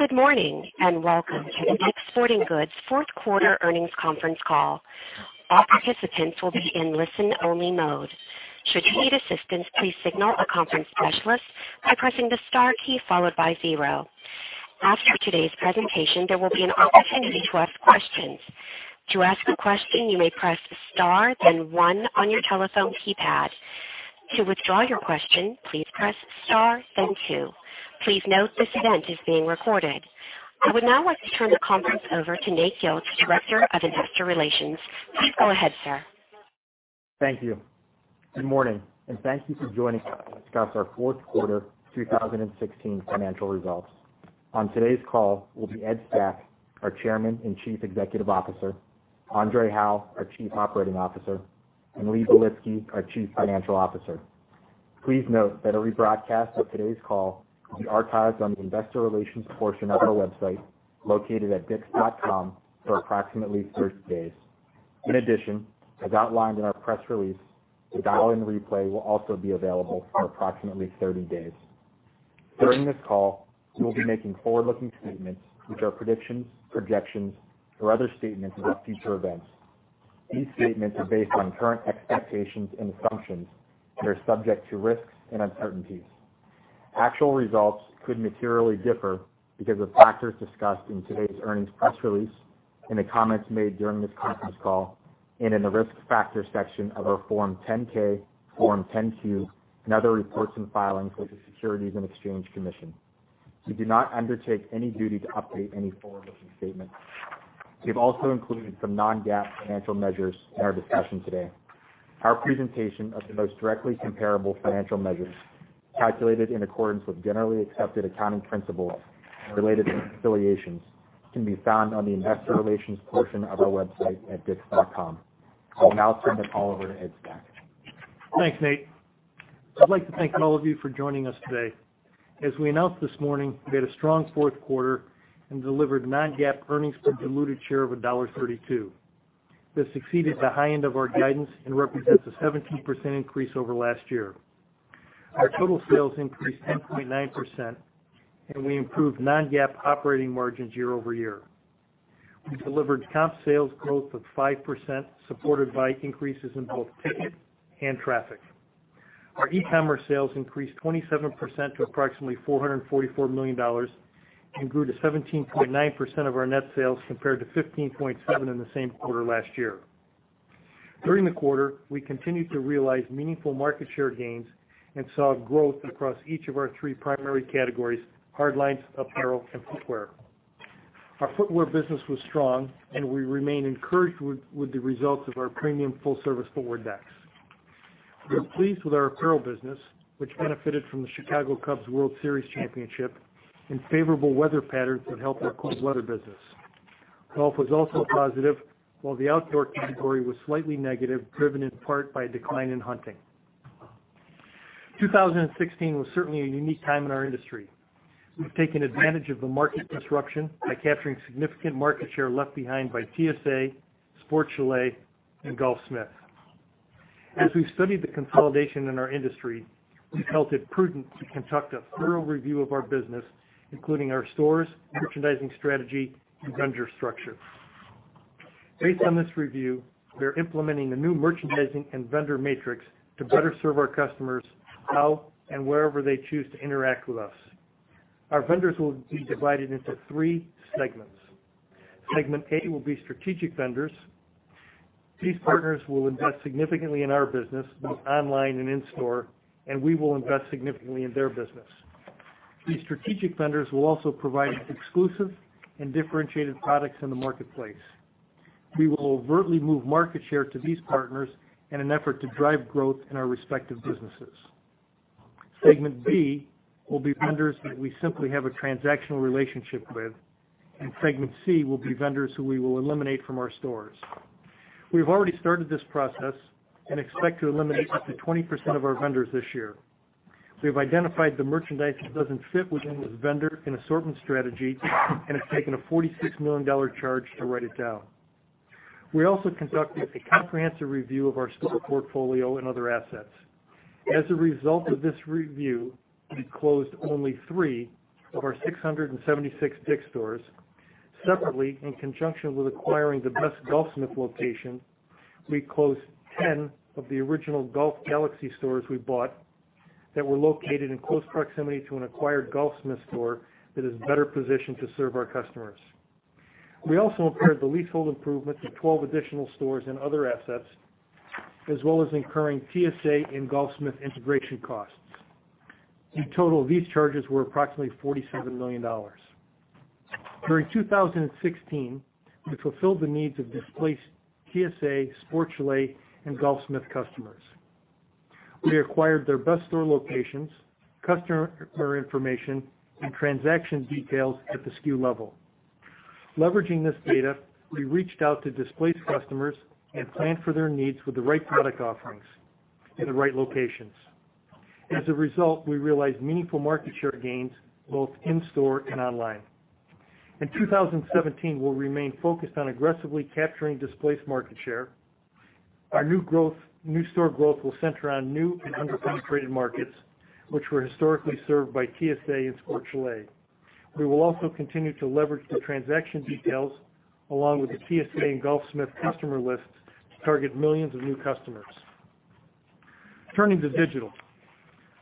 Good morning. Welcome to DICK’S Sporting Goods fourth quarter earnings conference call. All participants will be in listen-only mode. Should you need assistance, please signal a conference specialist by pressing the star key followed by 0. After today's presentation, there will be an opportunity to ask questions. To ask a question, you may press star then 1 on your telephone keypad. To withdraw your question, please press star then 2. Please note this event is being recorded. I would now like to turn the conference over to Nate Gilch, Director of Investor Relations. Please go ahead, sir. Thank you. Good morning. Thank you for joining us to discuss our fourth quarter 2016 financial results. On today's call will be Ed Stack, our Chairman and Chief Executive Officer, André Hawaux, our Chief Operating Officer, and Lee Belitsky, our Chief Financial Officer. Please note that a rebroadcast of today's call will be archived on the investor relations portion of our website, located at dicks.com, for approximately 30 days. In addition, as outlined in our press release, the dial-in replay will also be available for approximately 30 days. During this call, we will be making forward-looking statements, which are predictions, projections, or other statements about future events. These statements are based on current expectations and assumptions and are subject to risks and uncertainties. Actual results could materially differ because of factors discussed in today's earnings press release, in the comments made during this conference call, and in the Risk Factors section of our Form 10-K, Form 10-Q and other reports and filings with the Securities and Exchange Commission. We do not undertake any duty to update any forward-looking statements. We've also included some non-GAAP financial measures in our discussion today. Our presentation of the most directly comparable financial measures, calculated in accordance with generally accepted accounting principles and related reconciliations can be found on the investor relations portion of our website at dicks.com. I will now turn the call over to Ed Stack. Thanks, Nate. I'd like to thank all of you for joining us today. As we announced this morning, we had a strong fourth quarter and delivered non-GAAP earnings per diluted share of $1.32. This exceeded the high end of our guidance and represents a 17% increase over last year. Our total sales increased 10.9%. We improved non-GAAP operating margins year-over-year. We delivered comp sales growth of 5%, supported by increases in both ticket and traffic. Our e-commerce sales increased 27% to approximately $444 million and grew to 17.9% of our net sales, compared to 15.7% in the same quarter last year. During the quarter, we continued to realize meaningful market share gains and saw growth across each of our 3 primary categories: hardlines, apparel, and footwear. Our footwear business was strong. We remain encouraged with the results of our premium full-service footwear decks. We're pleased with our apparel business, which benefited from the Chicago Cubs World Series championship and favorable weather patterns that helped our cold weather business. Golf was also positive, while the outdoor category was slightly negative, driven in part by a decline in hunting. 2016 was certainly a unique time in our industry. We've taken advantage of the market disruption by capturing significant market share left behind by TSA, Sport Chalet, and Golfsmith. As we've studied the consolidation in our industry, we felt it prudent to conduct a thorough review of our business, including our stores, merchandising strategy, and vendor structure. Based on this review, we are implementing a new merchandising and vendor matrix to better serve our customers how and wherever they choose to interact with us. Our vendors will be divided into three segments. Segment A will be strategic vendors. These partners will invest significantly in our business, both online and in-store, and we will invest significantly in their business. These strategic vendors will also provide exclusive and differentiated products in the marketplace. We will overtly move market share to these partners in an effort to drive growth in our respective businesses. Segment B will be vendors that we simply have a transactional relationship with. Segment C will be vendors who we will eliminate from our stores. We've already started this process and expect to eliminate up to 20% of our vendors this year. We have identified the merchandise that doesn't fit within this vendor and assortment strategy and have taken a $46 million charge to write it down. We also conducted a comprehensive review of our store portfolio and other assets. As a result of this review, we closed only three of our 676 DICK'S stores. Separately, in conjunction with acquiring the best Golfsmith locations, we closed 10 of the original Golf Galaxy stores we bought that were located in close proximity to an acquired Golfsmith store that is better positioned to serve our customers. We also impaired the leasehold improvements of 12 additional stores and other assets, as well as incurring TSA and Golfsmith integration costs. In total, these charges were approximately $47 million. During 2016, we fulfilled the needs of displaced TSA, Sport Chalet, and Golfsmith customers. We acquired their best store locations, customer information, and transaction details at the SKU level. Leveraging this data, we reached out to displaced customers and planned for their needs with the right product offerings in the right locations. As a result, we realized meaningful market share gains both in-store and online. In 2017, we'll remain focused on aggressively capturing displaced market share. Our new store growth will center on new and underpenetrated markets, which were historically served by TSA and Sport Chalet. We will also continue to leverage the transaction details along with the TSA and Golfsmith customer lists to target millions of new customers. Turning to digital.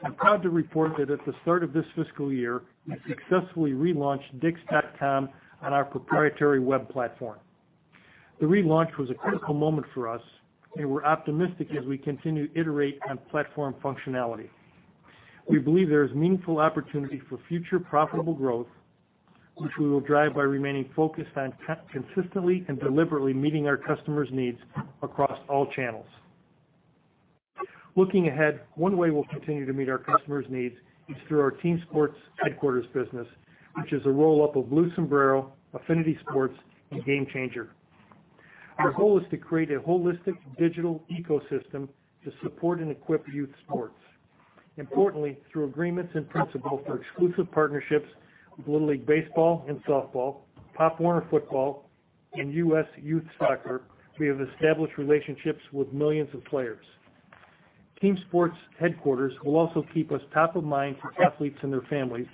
I'm proud to report that at the start of this fiscal year, we successfully relaunched dicks.com on our proprietary web platform. The relaunch was a critical moment for us. We're optimistic as we continue to iterate on platform functionality. We believe there is meaningful opportunity for future profitable growth, which we will drive by remaining focused on consistently and deliberately meeting our customers' needs across all channels. Looking ahead, one way we'll continue to meet our customers' needs is through our Team Sports Headquarters business, which is a roll-up of Blue Sombrero, Affinity Sports, and GameChanger. Our goal is to create a holistic digital ecosystem to support and equip youth sports. Importantly, through agreements in principle for exclusive partnerships with Little League Baseball and Softball, Pop Warner Football, and US Youth Soccer, we have established relationships with millions of players. Team Sports Headquarters will also keep us top of mind for athletes and their families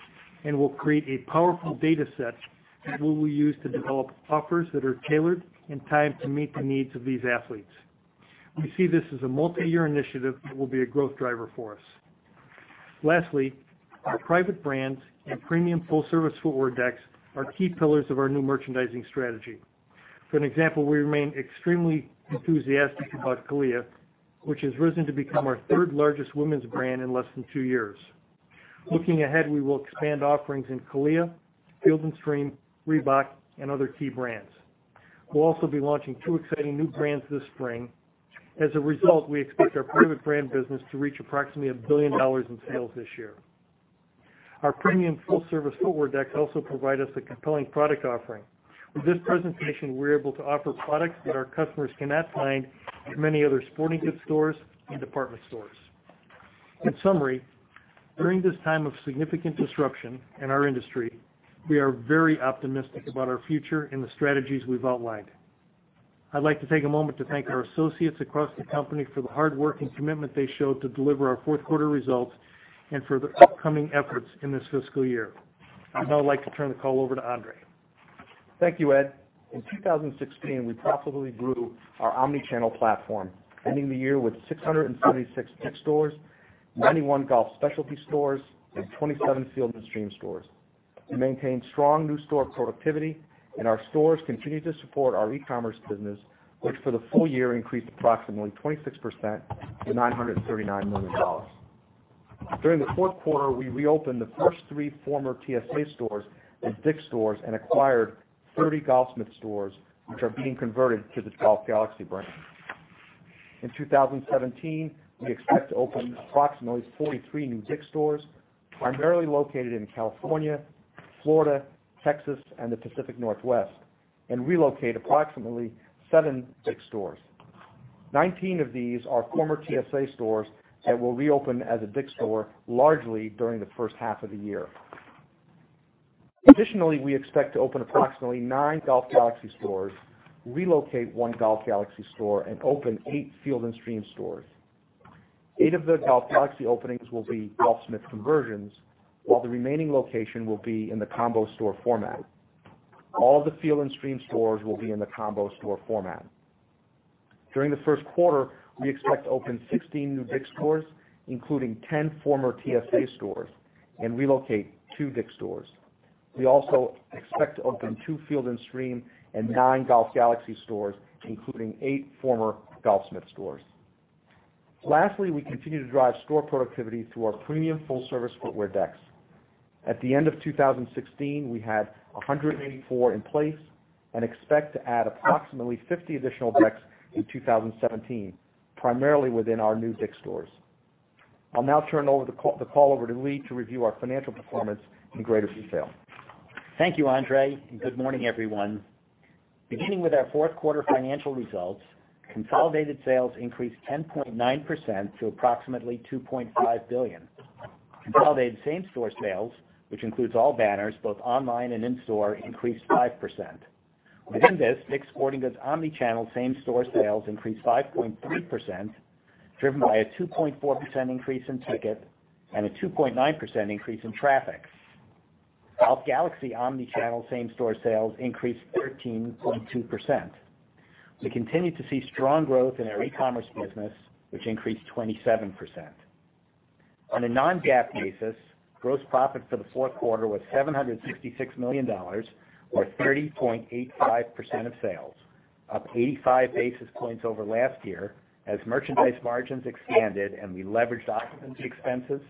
and will create a powerful data set that we will use to develop offers that are tailored and timed to meet the needs of these athletes. We see this as a multi-year initiative that will be a growth driver for us. Lastly, our private brands and premium full-service footwear decks are key pillars of our new merchandising strategy. For an example, we remain extremely enthusiastic about CALIA, which has risen to become our third-largest women's brand in less than two years. Looking ahead, we will expand offerings in CALIA, Field & Stream, Reebok, and other key brands. We'll also be launching two exciting new brands this spring. As a result, we expect our private brand business to reach approximately $1 billion in sales this year. Our premium full-service footwear decks also provide us a compelling product offering. With this presentation, we're able to offer products that our customers cannot find at many other sporting goods stores and department stores. In summary, during this time of significant disruption in our industry, we are very optimistic about our future and the strategies we've outlined. I'd like to take a moment to thank our associates across the company for the hard work and commitment they showed to deliver our fourth quarter results and for the upcoming efforts in this fiscal year. I'd now like to turn the call over to André. Thank you, Ed. In 2016, we profitably grew our omnichannel platform, ending the year with 676 DICK'S stores, 91 Golf specialty stores, and 27 Field & Stream stores. We maintained strong new store productivity, and our stores continue to support our e-commerce business, which for the full year increased approximately 26% to $939 million. During the fourth quarter, we reopened the first three former TSA stores as DICK'S stores and acquired 30 Golfsmith stores, which are being converted to the Golf Galaxy brand. In 2017, we expect to open approximately 43 new DICK'S stores, primarily located in California, Florida, Texas, and the Pacific Northwest, and relocate approximately seven DICK'S stores. 19 of these are former TSA stores that will reopen as a DICK'S store largely during the first half of the year. Additionally, we expect to open approximately nine Golf Galaxy stores, relocate one Golf Galaxy store, and open eight Field & Stream stores. Eight of the Golf Galaxy openings will be Golfsmith conversions, while the remaining location will be in the combo store format. All the Field & Stream stores will be in the combo store format. During the first quarter, we expect to open 16 new DICK'S stores, including 10 former TSA stores, and relocate two DICK'S stores. We also expect to open two Field & Stream and nine Golf Galaxy stores, including eight former Golfsmith stores. Lastly, we continue to drive store productivity through our premium full-service footwear decks. At the end of 2016, we had 184 in place and expect to add approximately 50 additional decks in 2017, primarily within our new DICK'S stores. I'll now turn the call over to Lee to review our financial performance in greater detail. Thank you, André, and good morning, everyone. Beginning with our fourth quarter financial results, consolidated sales increased 10.9% to approximately $2.5 billion. Consolidated same-store sales, which includes all banners, both online and in-store, increased 5%. Within this, DICK'S Sporting Goods omnichannel same-store sales increased 5.3%, driven by a 2.4% increase in ticket and a 2.9% increase in traffic. Golf Galaxy omnichannel same-store sales increased 13.2%. We continue to see strong growth in our e-commerce business, which increased 27%. On a non-GAAP basis, gross profit for the fourth quarter was $766 million or 30.85% of sales, up 85 basis points over last year as merchandise margins expanded and we leveraged occupancy expenses,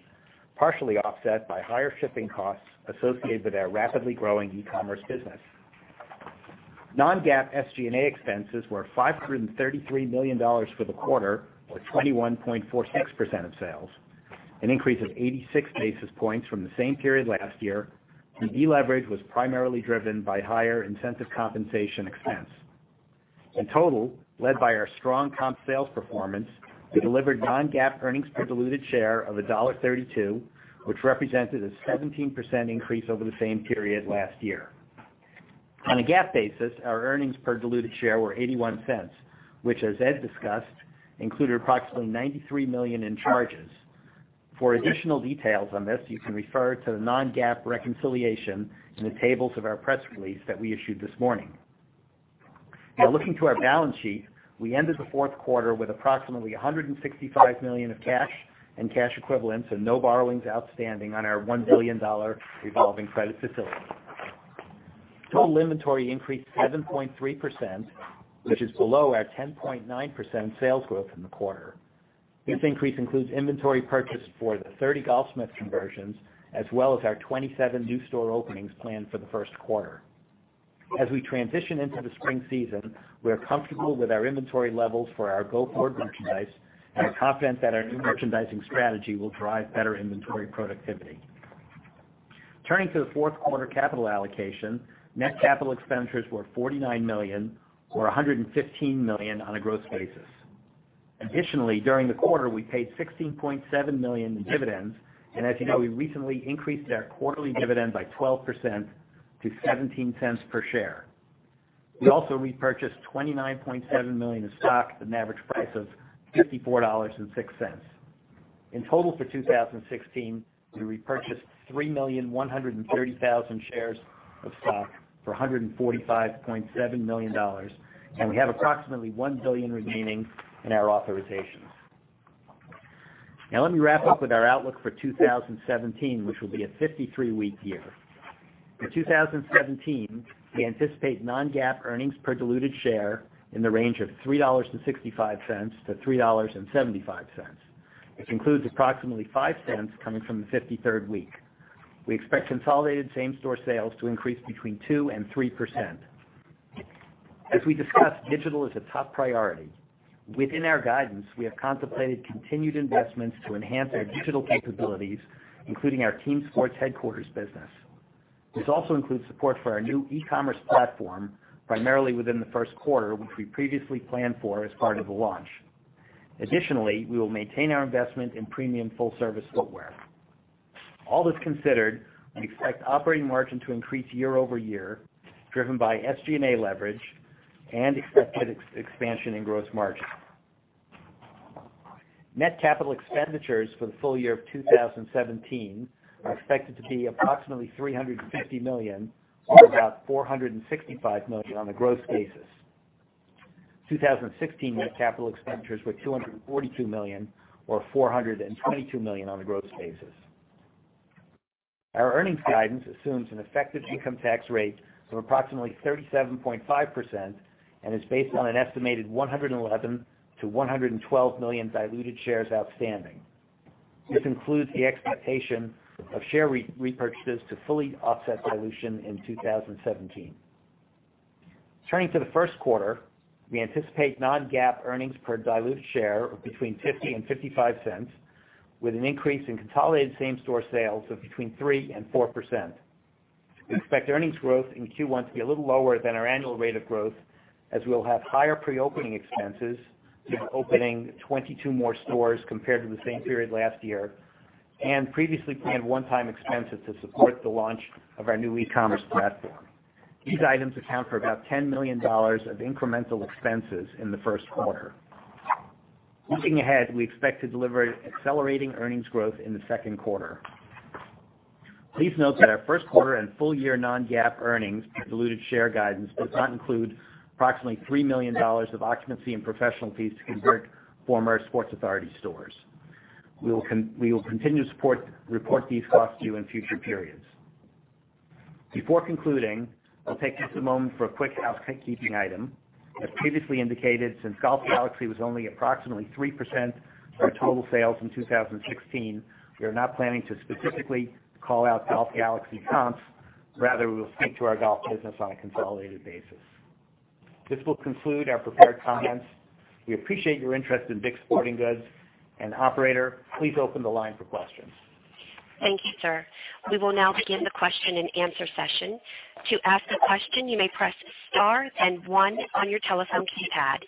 partially offset by higher shipping costs associated with our rapidly growing e-commerce business. Non-GAAP SG&A expenses were $533 million for the quarter, or 21.46% of sales. Deleverage was primarily driven by higher incentive compensation expense. In total, led by our strong comp sales performance, we delivered non-GAAP earnings per diluted share of $1.32, which represented a 17% increase over the same period last year. On a GAAP basis, our earnings per diluted share were $0.81, which, as Ed discussed, included approximately $93 million in charges. For additional details on this, you can refer to the non-GAAP reconciliation in the tables of our press release that we issued this morning. Looking to our balance sheet, we ended the fourth quarter with approximately $165 million of cash and cash equivalents and no borrowings outstanding on our $1 billion revolving credit facility. Total inventory increased 7.3%, which is below our 10.9% sales growth in the quarter. This increase includes inventory purchased for the 30 Golfsmith conversions, as well as our 27 new store openings planned for the first quarter. As we transition into the spring season, we are comfortable with our inventory levels for our Go Forward merchandise, and we're confident that our new merchandising strategy will drive better inventory productivity. Turning to the fourth quarter capital allocation, net capital expenditures were $49 million, or $115 million on a gross basis. Additionally, during the quarter, we paid $16.7 million in dividends, and as you know, we recently increased our quarterly dividend by 12% to $0.17 per share. We also repurchased $29.7 million of stock at an average price of $54.06. In total for 2016, we repurchased 3,130,000 shares of stock for $145.7 million, and we have approximately one billion remaining in our authorizations. Let me wrap up with our outlook for 2017, which will be a 53-week year. For 2017, we anticipate non-GAAP earnings per diluted share in the range of $3.65 to $3.75, which includes approximately $0.05 coming from the 53rd week. We expect consolidated same-store sales to increase between 2% and 3%. As we discussed, digital is a top priority. Within our guidance, we have contemplated continued investments to enhance our digital capabilities, including our Team Sports headquarters business. This also includes support for our new e-commerce platform, primarily within the first quarter, which we previously planned for as part of the launch. Additionally, we will maintain our investment in premium full-service footwear. All this considered, we expect operating margin to increase year-over-year, driven by SG&A leverage and expected expansion in gross margin. Net capital expenditures for the full year of 2017 are expected to be approximately $350 million, or about $465 million on a gross basis. 2016 net capital expenditures were $242 million, or $422 million on a gross basis. Our earnings guidance assumes an effective income tax rate of approximately 37.5% and is based on an estimated 111 to 112 million diluted shares outstanding. This includes the expectation of share repurchases to fully offset dilution in 2017. Turning to the first quarter, we anticipate non-GAAP earnings per diluted share of between $0.50 and $0.55, with an increase in consolidated same-store sales of between 3% and 4%. We expect earnings growth in Q1 to be a little lower than our annual rate of growth, as we will have higher pre-opening expenses due to opening 22 more stores compared to the same period last year and previously planned one-time expenses to support the launch of our new e-commerce platform. These items account for about $10 million of incremental expenses in the first quarter. Looking ahead, we expect to deliver accelerating earnings growth in the second quarter. Please note that our first quarter and full-year non-GAAP earnings per diluted share guidance does not include approximately $3 million of occupancy and professional fees to convert former Sports Authority stores. We will continue to report these costs to you in future periods. Before concluding, I'll take just a moment for a quick housekeeping item. As previously indicated, since Golf Galaxy was only approximately 3% of our total sales in 2016, we are not planning to specifically call out Golf Galaxy comps. Rather, we will speak to our golf business on a consolidated basis. This will conclude our prepared comments. We appreciate your interest in DICK’S Sporting Goods. Operator, please open the line for questions. Thank you, sir. We will now begin the question and answer session. To ask a question, you may press star and one on your telephone keypad.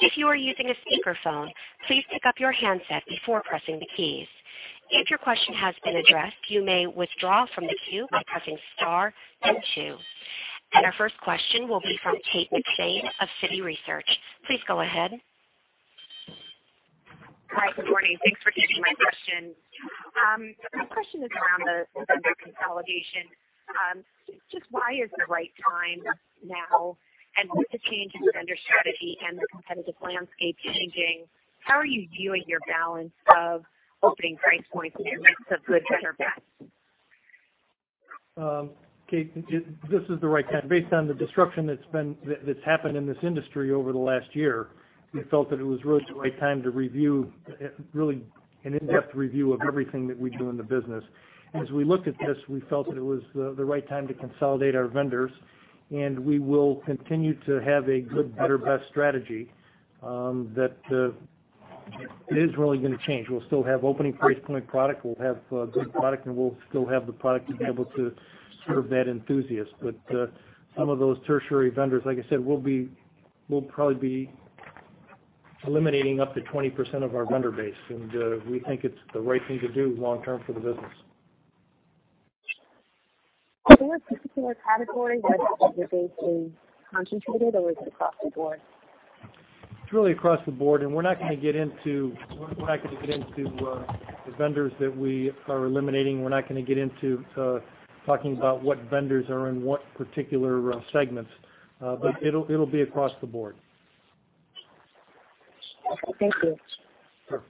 If you are using a speakerphone, please pick up your handset before pressing the keys. If your question has been addressed, you may withdraw from the queue by pressing star and two. Our first question will be from Kate McShane of Citi Research. Please go ahead. Hi, good morning. Thanks for taking my question. My question is around the vendor consolidation. Just why is it the right time now? With the change in vendor strategy and the competitive landscape changing, how are you viewing your balance of opening price points and mix of good, better, best? Kate, this is the right time. Based on the disruption that's happened in this industry over the last year, we felt that it was really the right time to review, really an in-depth review of everything that we do in the business. As we looked at this, we felt that it was the right time to consolidate our vendors. We will continue to have a good, better, best strategy that is really going to change. We'll still have opening price point product, we'll have good product. We'll still have the product to be able to serve that enthusiast. Some of those tertiary vendors, like I said, will probably be. Eliminating up to 20% of our vendor base, we think it's the right thing to do long term for the business. Are there particular categories where the base is concentrated, or is it across the board? It's really across the board, we're not going to get into the vendors that we are eliminating. We're not going to get into talking about what vendors are in what particular segments. It'll be across the board. Okay, thank you. Sure.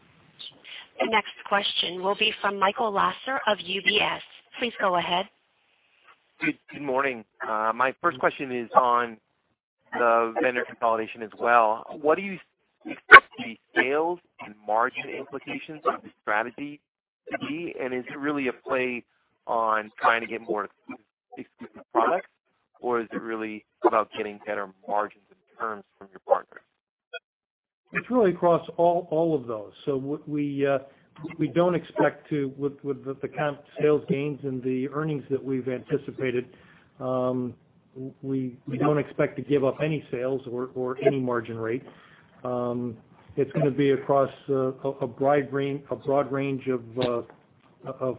The next question will be from Michael Lasser of UBS. Please go ahead. Good morning. My first question is on the vendor consolidation as well. What do you expect the sales and margin implications of the strategy to be, is it really a play on trying to get more exclusive products, or is it really about getting better margins and terms from your partners? It's really across all of those. With the comp sales gains and the earnings that we've anticipated, we don't expect to give up any sales or any margin rate. It's going to be across a broad range of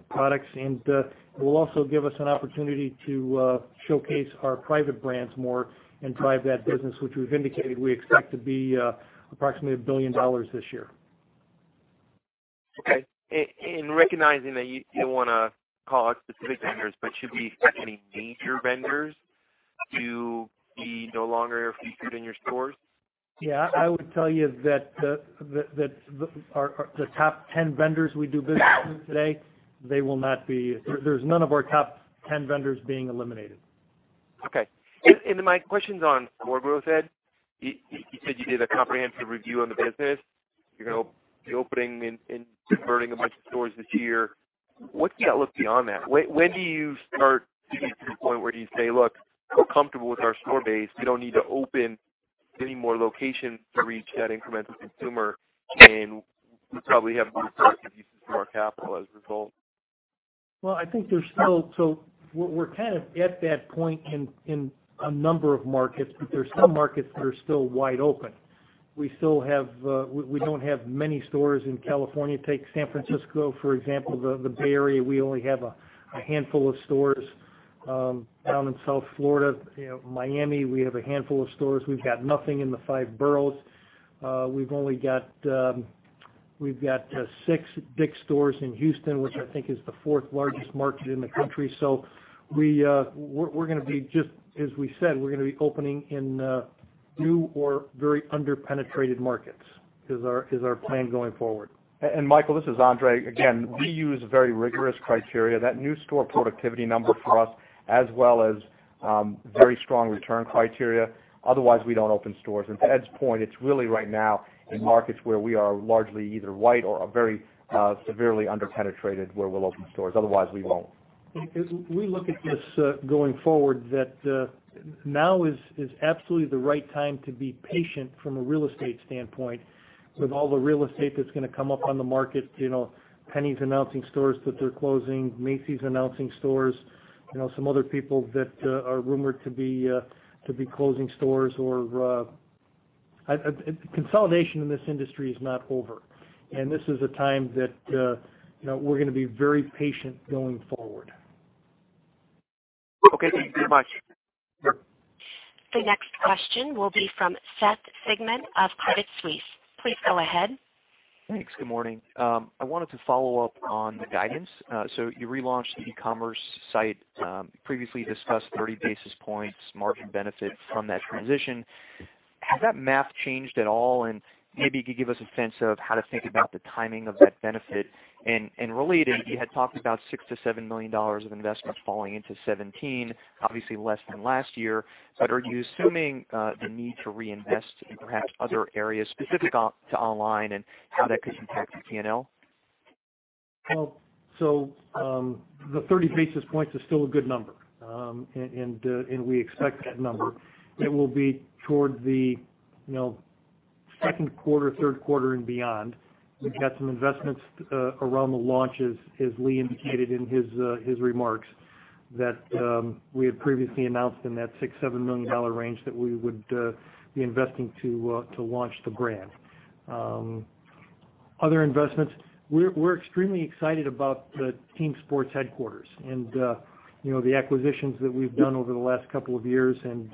products, will also give us an opportunity to showcase our private brands more and drive that business, which we've indicated we expect to be approximately $1 billion this year. Okay. Recognizing that you don't want to call out specific vendors, should we expect any major vendors to be no longer featured in your stores? Yeah, I would tell you that the top 10 vendors we do business with today, there's none of our top 10 vendors being eliminated. Okay. My question's on store growth, Ed. You said you did a comprehensive review on the business. You're going to be opening and converting a bunch of stores this year. What's that look beyond that? When do you start to get to the point where you say, "Look, we're comfortable with our store base. We don't need to open any more locations to reach that incremental consumer, and we probably have more productive uses for our capital as a result"? Well, we're kind of at that point in a number of markets, but there's some markets that are still wide open. We don't have many stores in California. Take San Francisco, for example, the Bay Area, we only have a handful of stores. Down in South Florida, Miami, we have a handful of stores. We've got nothing in the five boroughs. We've got six DICK'S stores in Houston, which I think is the fourth largest market in the country. As we said, we're going to be opening in new or very under-penetrated markets, is our plan going forward. Michael, this is André. Again, we use very rigorous criteria. That new store productivity number for us, as well as very strong return criteria. Otherwise, we don't open stores. To Ed's point, it's really right now in markets where we are largely either white or are very severely under-penetrated where we'll open stores. Otherwise, we won't. We look at this going forward, that now is absolutely the right time to be patient from a real estate standpoint with all the real estate that's going to come up on the market. Penney's announcing stores that they're closing, Macy's announcing stores, some other people that are rumored to be closing stores. Consolidation in this industry is not over, and this is a time that we're going to be very patient going forward. Okay, thank you very much. Sure. The next question will be from Seth Sigman of Credit Suisse. Please go ahead. Thanks. Good morning. I wanted to follow up on the guidance. You relaunched the e-commerce site, previously discussed 30 basis points margin benefit from that transition. Has that math changed at all? Maybe you could give us a sense of how to think about the timing of that benefit. Related, you had talked about $6 million-$7 million of investments falling into 2017, obviously less than last year, but are you assuming the need to reinvest in perhaps other areas specific to online and how that could impact your P&L? The 30 basis points is still a good number. We expect that number. It will be towards the second quarter, third quarter, and beyond. We've got some investments around the launches, as Lee indicated in his remarks, that we had previously announced in that $6 million-$7 million range that we would be investing to launch the brand. Other investments, we're extremely excited about the Team Sports headquarters and the acquisitions that we've done over the last couple of years and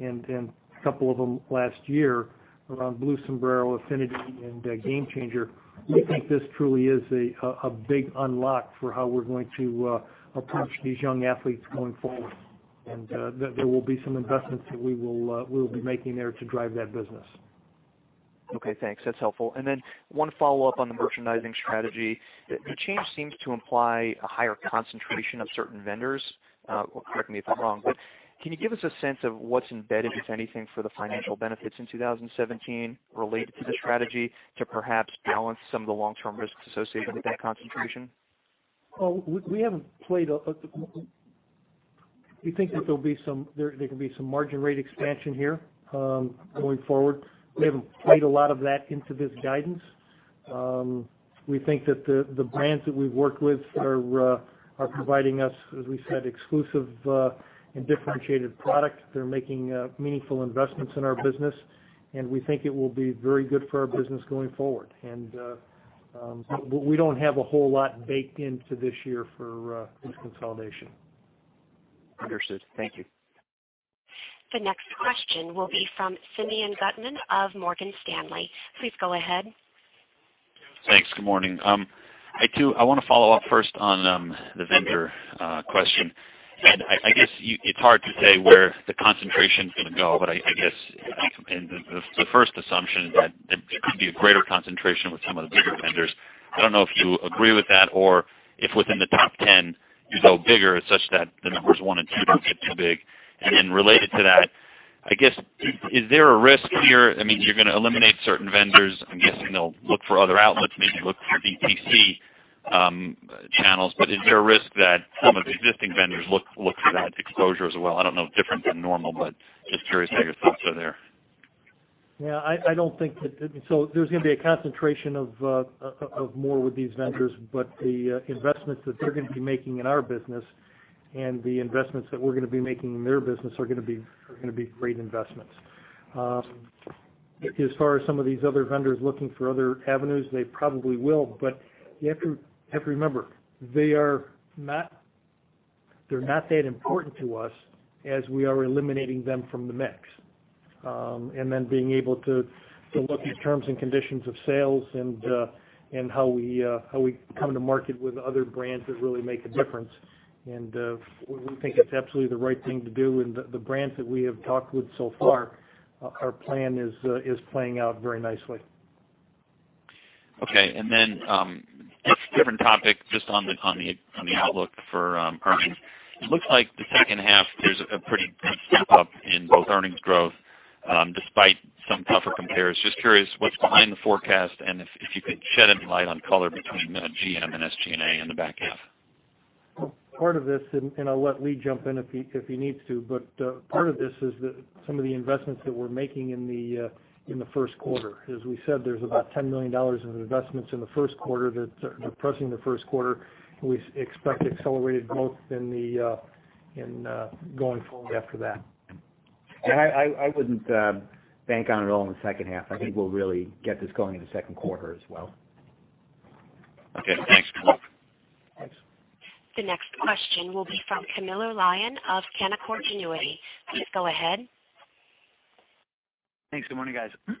a couple of them last year around Blue Sombrero, Affinity, and GameChanger. We think this truly is a big unlock for how we're going to approach these young athletes going forward. There will be some investments that we will be making there to drive that business. Okay, thanks. That's helpful. One follow-up on the merchandising strategy. The change seems to imply a higher concentration of certain vendors. Correct me if I'm wrong, can you give us a sense of what's embedded, if anything, for the financial benefits in 2017 related to the strategy to perhaps balance some of the long-term risks associated with that concentration? We think that there can be some margin rate expansion here going forward. We haven't played a lot of that into this guidance. We think that the brands that we've worked with are providing us, as we said, exclusive and differentiated product. They're making meaningful investments in our business, we think it will be very good for our business going forward. We don't have a whole lot baked into this year for this consolidation. Understood. Thank you. The next question will be from Simeon Gutman of Morgan Stanley. Please go ahead. Thanks. Good morning. I want to follow up first on the vendor question. I guess it's hard to say where the concentration's going to go, but I guess the first assumption is that there could be a greater concentration with some of the bigger vendors. I don't know if you agree with that, or if within the top 10, you go bigger such that the numbers 1 and 2 don't get too big. Related to that, I guess, is there a risk here? You're going to eliminate certain vendors, I'm guessing they'll look for other outlets, maybe look for DTC channels. Is there a risk that some of the existing vendors look for that exposure as well? I don't know, different than normal, but just curious how your thoughts are there. Yeah. There's going to be a concentration of more with these vendors, but the investments that they're going to be making in our business and the investments that we're going to be making in their business are going to be great investments. As far as some of these other vendors looking for other avenues, they probably will, but you have to remember, they're not that important to us as we are eliminating them from the mix. Being able to look at terms and conditions of sales and how we come to market with other brands that really make a difference. We think it's absolutely the right thing to do. The brands that we have talked with so far, our plan is playing out very nicely. Okay. Then, different topic, just on the outlook for earnings. It looks like the second half, there's a pretty steep up in both earnings growth, despite some tougher compares. Just curious what's behind the forecast and if you could shed any light on color between GM and SG&A in the back half. Part of this, I'll let Lee jump in if he needs to, but part of this is that some of the investments that we're making in the first quarter. As we said, there's about $10 million in investments in the first quarter that are depressing the first quarter. We expect accelerated growth going forward after that. I wouldn't bank on it all in the second half. I think we'll really get this going in the second quarter as well. Okay, thanks. You're welcome. Thanks. The next question will be from Camilo Lyon of Canaccord Genuity. Please go ahead. Thanks. Good morning, guys. Is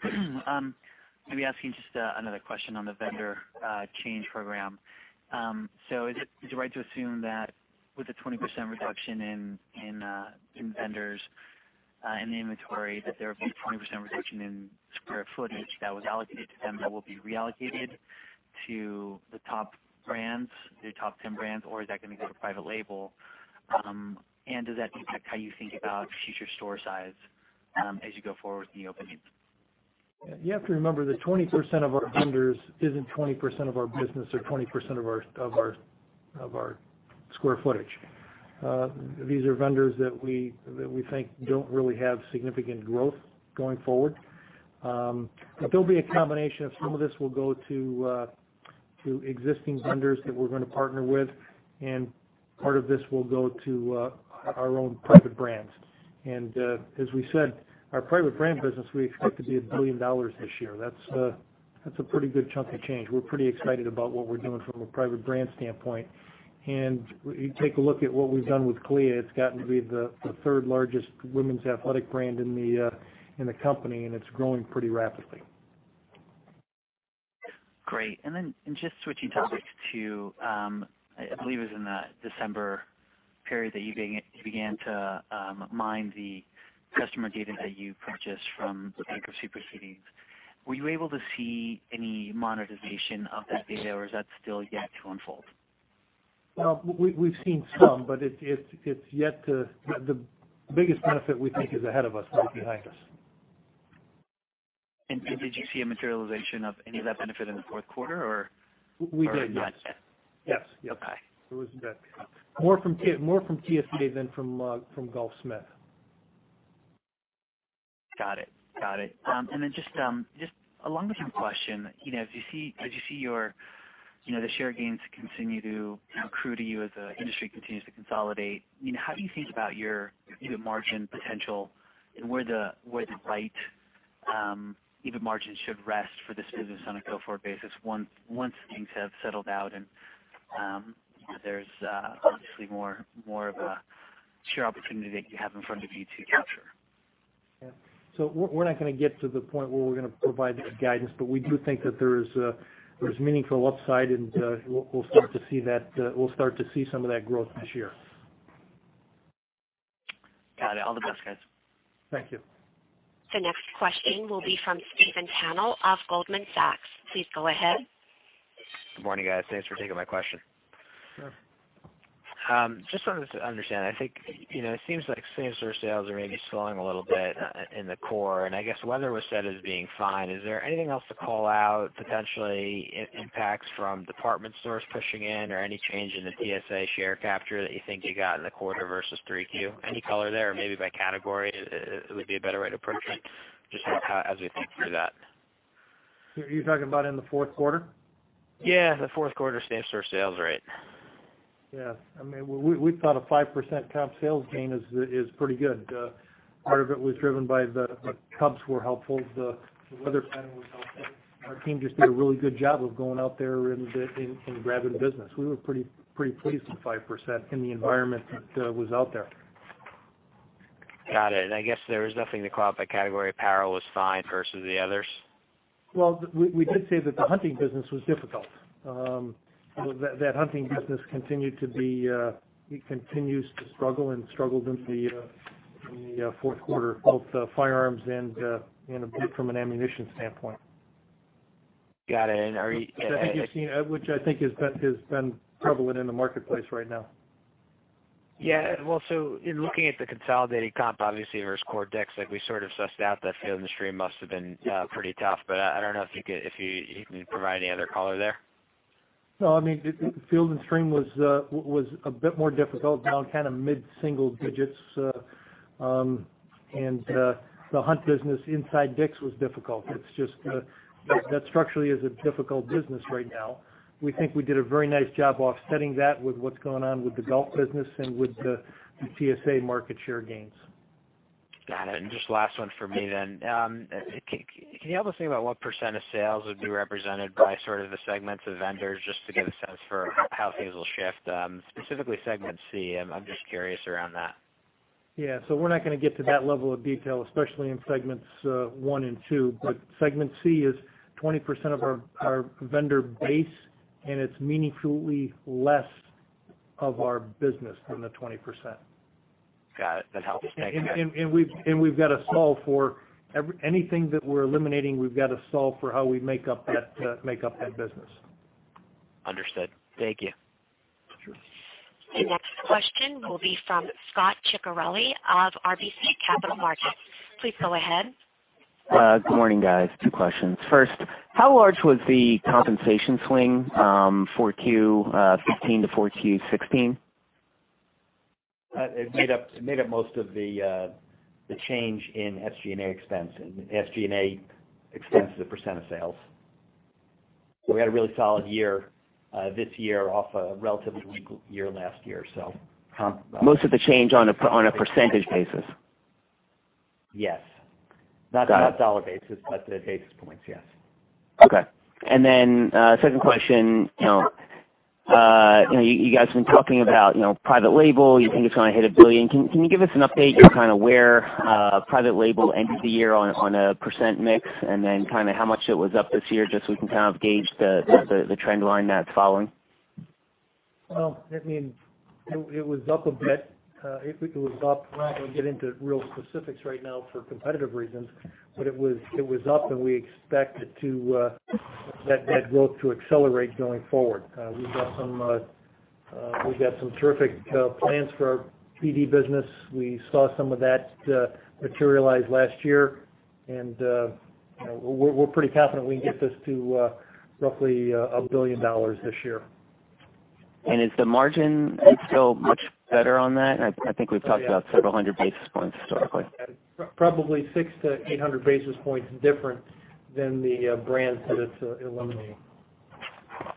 it right to assume that with a 20% reduction in vendors and the inventory, that there will be a 20% reduction in square footage that was allocated to them that will be reallocated to the top brands, the top 10 brands, or is that going to go to private label? Does that impact how you think about future store size as you go forward with new openings? You have to remember that 20% of our vendors isn't 20% of our business or 20% of our square footage. These are vendors that we think don't really have significant growth going forward. There'll be a combination of some of this will go to existing vendors that we're going to partner with, and part of this will go to our own private brands. As we said, our private brand business, we expect to be $1 billion this year. That's a pretty good chunk of change. We're pretty excited about what we're doing from a private brand standpoint. You take a look at what we've done with CALIA, it's gotten to be the third largest women's athletic brand in the company, and it's growing pretty rapidly. Great. Just switching topics to, I believe it was in the December period that you began to mine the customer data that you purchased from the bankruptcy proceedings. Were you able to see any monetization of that data, or is that still yet to unfold? We've seen some, the biggest benefit we think is ahead of us, not behind us. Did you see a materialization of any of that benefit in the fourth quarter? We did, yes. Not yet? Yes. Okay. It was more from TSA than from Golfsmith. Got it. Just along with that question, as you see the share gains continue to accrue to you as the industry continues to consolidate, how do you think about your EBIT margin potential and where the right EBIT margin should rest for this business on a go-forward basis once things have settled out and there's obviously more of a share opportunity that you have in front of you to capture? We're not going to get to the point where we're going to provide that guidance, but we do think that there's meaningful upside, and we'll start to see some of that growth this year. Got it. All the best, guys. Thank you. The next question will be from Stephen Tainter of Goldman Sachs. Please go ahead. Good morning, guys. Thanks for taking my question. Sure. Just wanted to understand, I think it seems like same-store sales are maybe slowing a little bit in the core, and I guess weather was said as being fine. Is there anything else to call out, potentially impacts from department stores pushing in, or any change in the TSA share capture that you think you got in the quarter versus 3Q? Any color there, or maybe by category would be a better way to approach it, just as we think through that. Are you talking about in the fourth quarter? Yeah, the fourth quarter same store sales rate. Yeah. We thought a 5% comp sales gain is pretty good. Part of it was driven by the Cubs were helpful. The weather pattern was helpful. Our team just did a really good job of going out there and grabbing business. We were pretty pleased with 5% in the environment that was out there. Got it. I guess there was nothing to call out by category. Apparel was fine versus the others? Well, we did say that the hunting business was difficult. That hunting business continues to struggle and struggled in the fourth quarter, both firearms and a bit from an ammunition standpoint. Got it. Are you. Which I think has been prevalent in the marketplace right now. Yeah. Well, in looking at the consolidated comp, obviously, versus core DICK'S, we sort of sussed out that Field & Stream must've been pretty tough. I don't know if you can provide any other color there? No. Field & Stream was a bit more difficult, down kind of mid-single digits. The hunt business inside DICK'S was difficult. That structurally is a difficult business right now. We think we did a very nice job offsetting that with what's going on with the golf business and with the TSA market share gains. Got it. Just last one from me, then. Can you help us think about what % of sales would be represented by sort of the segments of vendors, just to get a sense for how things will shift, specifically segment C? I'm just curious around that. Yeah. We're not going to get to that level of detail, especially in segments 1 and 2. Segment C is 20% of our vendor base, and it's meaningfully less of our business than the 20%. Got it. That helps. Thank you. We've got to solve for anything that we're eliminating, we've got to solve for how we make up that business. Understood. Thank you. Sure. The next question will be from Scot Ciccarelli of RBC Capital Markets. Please go ahead. Good morning, guys. Two questions. First, how large was the compensation swing for Q1 2015 to 4Q 2016? It made up most of the change in SG&A expense, and SG&A expense is a % of sales. We had a really solid year this year off a relatively weak year last year. Most of the change on a % basis? Yes. Got it. Not dollar basis, but the basis points, yes. Okay. Second question. You guys have been talking about private label. You think it's going to hit $1 billion. Can you give us an update on where private label ended the year on a % mix, and then how much it was up this year, just so we can kind of gauge the trend line that it's following? Well, it was up a bit. It was up. I'm not going to get into real specifics right now for competitive reasons, but it was up, and we expect that growth to accelerate going forward. We've got some terrific plans for our PD business. We saw some of that materialize last year, and we're pretty confident we can get this to roughly $1 billion this year. Is the margin still much better on that? I think we've talked about several hundred basis points historically. Probably 600-800 basis points different than the brands that it's eliminating.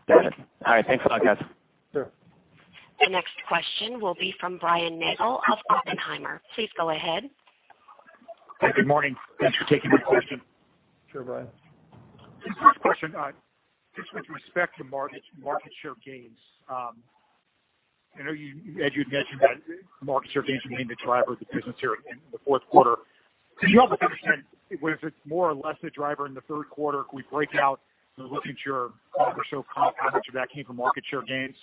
Got it. All right, thanks a lot, guys. Sure. The next question will be from Brian Nagel of Oppenheimer. Please go ahead. Good morning. Thanks for taking my question. Sure, Brian. First question, just with respect to market share gains. I know Ed, you had mentioned that market share gains remained a driver of the business here in the fourth quarter. Can you help us understand was it more or less a driver in the third quarter? Can we break out, looking at your comparable store comp, how much of that came from market share gains?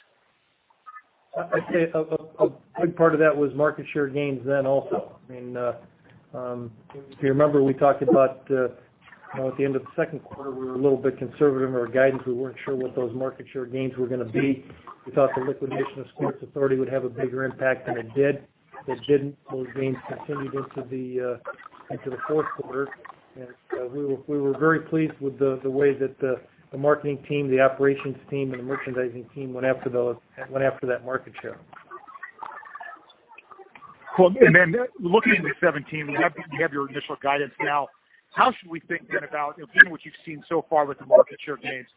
I'd say a big part of that was market share gains also. If you remember, we talked about at the end of the second quarter, we were a little bit conservative in our guidance. We weren't sure what those market share gains were going to be. We thought the liquidation of Sports Authority would have a bigger impact than it did. It didn't. Those gains continued into the fourth quarter, and we were very pleased with the way that the marketing team, the operations team, and the merchandising team went after that market share. Well, looking into 2017, we have your initial guidance now. How should we think then about given what you've seen so far with the market share gains,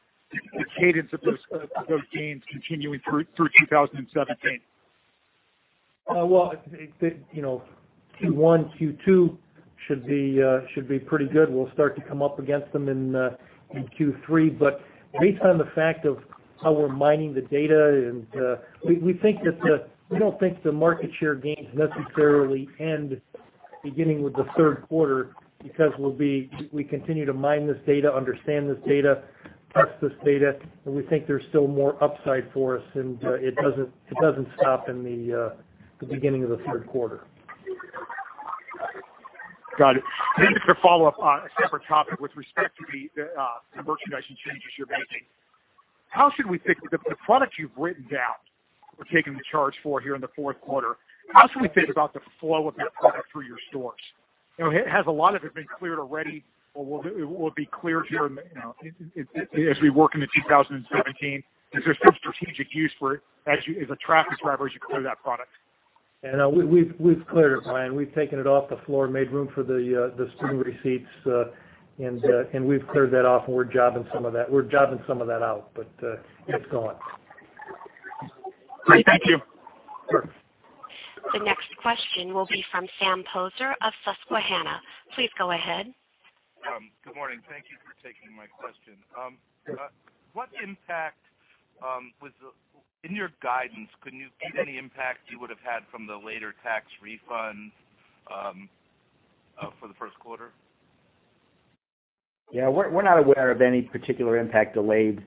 the cadence of those gains continuing through 2017? Well, Q1, Q2 should be pretty good. We'll start to come up against them in Q3. Based on the fact of how we're mining the data, we don't think the market share gains necessarily end beginning with the third quarter because we continue to mine this data, understand this data, price this data, we think there's still more upside for us, it doesn't stop in the beginning of the third quarter. Got it. Maybe just to follow up on a separate topic with respect to the merchandising changes you're making. The product you've written down or taken the charge for here in the fourth quarter, how should we think about the flow of that product through your stores? Has a lot of it been cleared already or will it be cleared as we work into 2017? Is there some strategic use for it as a traffic driver as you clear that product? We've cleared it, Brian. We've taken it off the floor, made room for the spring receipts, and we've cleared that off, and we're jobbing some of that out. It's gone. Great. Thank you. Sure. The next question will be from Sam Poser of Susquehanna. Please go ahead. Good morning. Thank you for taking my question. Sure. In your guidance, can you give any impact you would have had from the later tax refund for the first quarter? Yeah. We're not aware of any particular impact delayed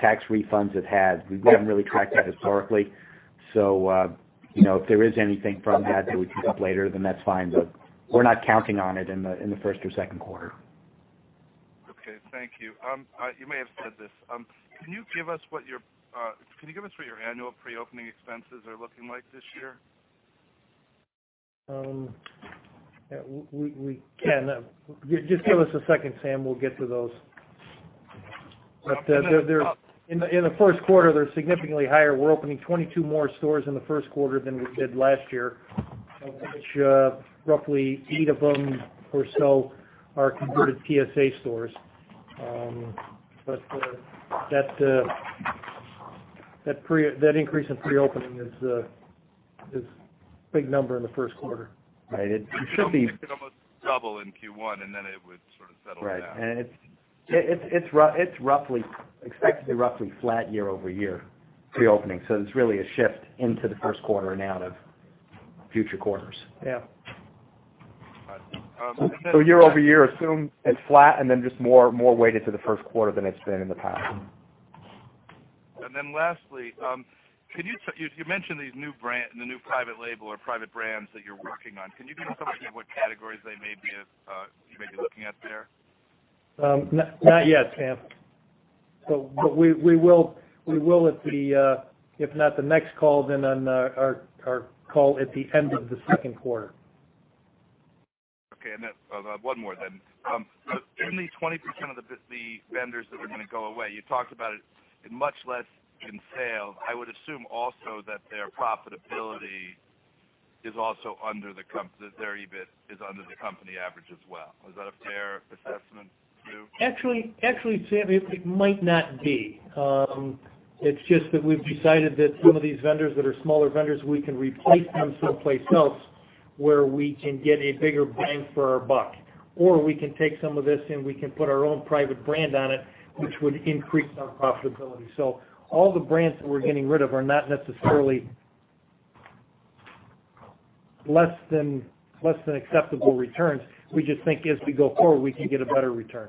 tax refunds have had. We haven't really tracked that historically. If there is anything from that that we pick up later, then that's fine. We're not counting on it in the first or second quarter. Okay. Thank you. You may have said this. Can you give us what your annual pre-opening expenses are looking like this year? We can. Just give us a second, Sam, we'll get to those. In the first quarter, they're significantly higher. We're opening 22 more stores in the first quarter than we did last year, of which roughly eight of them or so are converted TSA stores. That increase in pre-opening is a big number in the first quarter. Right. It could almost double in Q1, and then it would sort of settle down. Right. It's expected to be roughly flat year-over-year pre-opening. It's really a shift into the first quarter and out of future quarters. Yeah. All right. Year-over-year, assume it's flat and then just more weighted to the first quarter than it's been in the past. Lastly, you mentioned the new private label or private brands that you're working on. Can you give us some idea what categories you may be looking at there? Not yet, Sam. We will at, if not the next call, then on our call at the end of the second quarter. Okay. One more then. Only 20% of the vendors that are going to go away, you talked about it much less in sales. I would assume also that their profitability, their EBIT, is under the company average as well. Was that a fair assessment, too? Actually, Sam, it might not be. It's just that we've decided that some of these vendors that are smaller vendors, we can replace them someplace else where we can get a bigger bang for our buck. We can take some of this, and we can put our own private brand on it, which would increase our profitability. All the brands that we're getting rid of are not necessarily less than acceptable returns. We just think as we go forward, we can get a better return.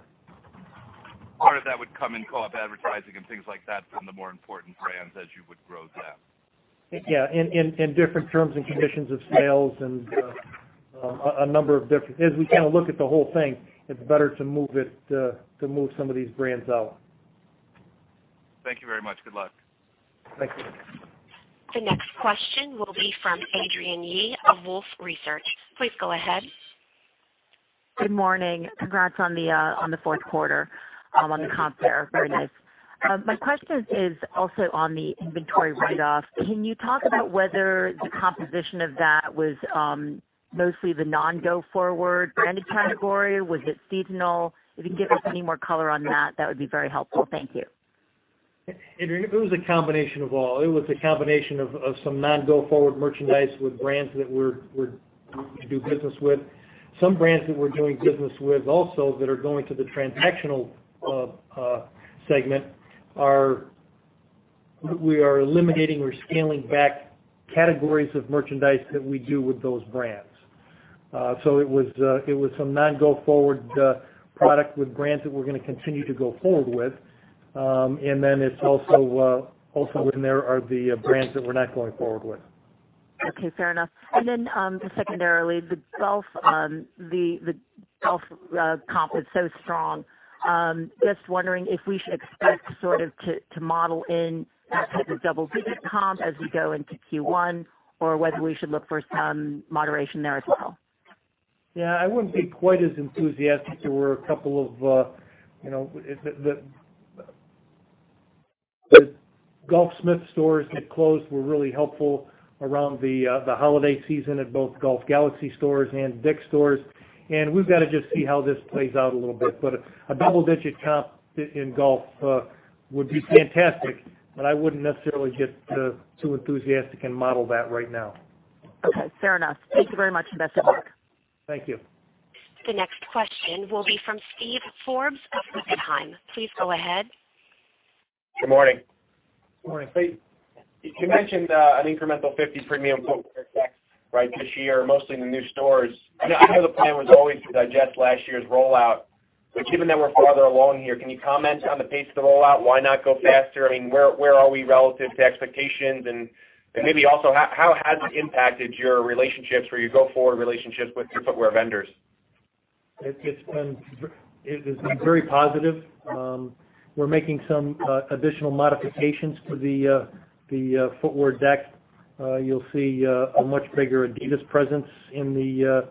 Part of that would come in co-op advertising and things like that from the more important brands as you would grow that. Yeah. In different terms and conditions of sales and as we look at the whole thing, it's better to move some of these brands out. Thank you very much. Good luck. Thank you. The next question will be from Adrienne Yih of Wolfe Research. Please go ahead. Good morning. Congrats on the fourth quarter, on the comp there. Very nice. My question is also on the inventory write-off. Can you talk about whether the composition of that was mostly the non-go forward branded category? Was it seasonal? If you can give us any more color on that would be very helpful. Thank you. Adrienne, it was a combination of all. It was a combination of some non-go-forward merchandise with brands that we do business with. Some brands that we're doing business with also that are going to the transactional segment, we are eliminating or scaling back categories of merchandise that we do with those brands. It was some non-go-forward product with brands that we're going to continue to go forward with. Also in there are the brands that we're not going forward with. Okay. Fair enough. Secondarily, the golf comp is so strong. Just wondering if we should expect to model in that type of double-digit comp as we go into Q1, or whether we should look for some moderation there as well. Yeah, I wouldn't be quite as enthusiastic. The Golfsmith stores that closed were really helpful around the holiday season at both Golf Galaxy stores and DICK'S stores. We've got to just see how this plays out a little bit. A double-digit comp in golf would be fantastic, but I wouldn't necessarily get too enthusiastic and model that right now. Okay. Fair enough. Thank you very much for that, Mark. Thank you. The next question will be from Steven Forbes of Oppenheimer. Please go ahead. Good morning. Good morning, Steve. You mentioned an incremental 50 premium footwear decks right this year, mostly in the new stores. I know the plan was always to digest last year's rollout. Given that we're farther along here, can you comment on the pace of the rollout? Why not go faster? Where are we relative to expectations, and maybe also, how has it impacted your relationships or your go-forward relationships with your footwear vendors? It has been very positive. We're making some additional modifications to the footwear deck. You'll see a much bigger adidas presence in the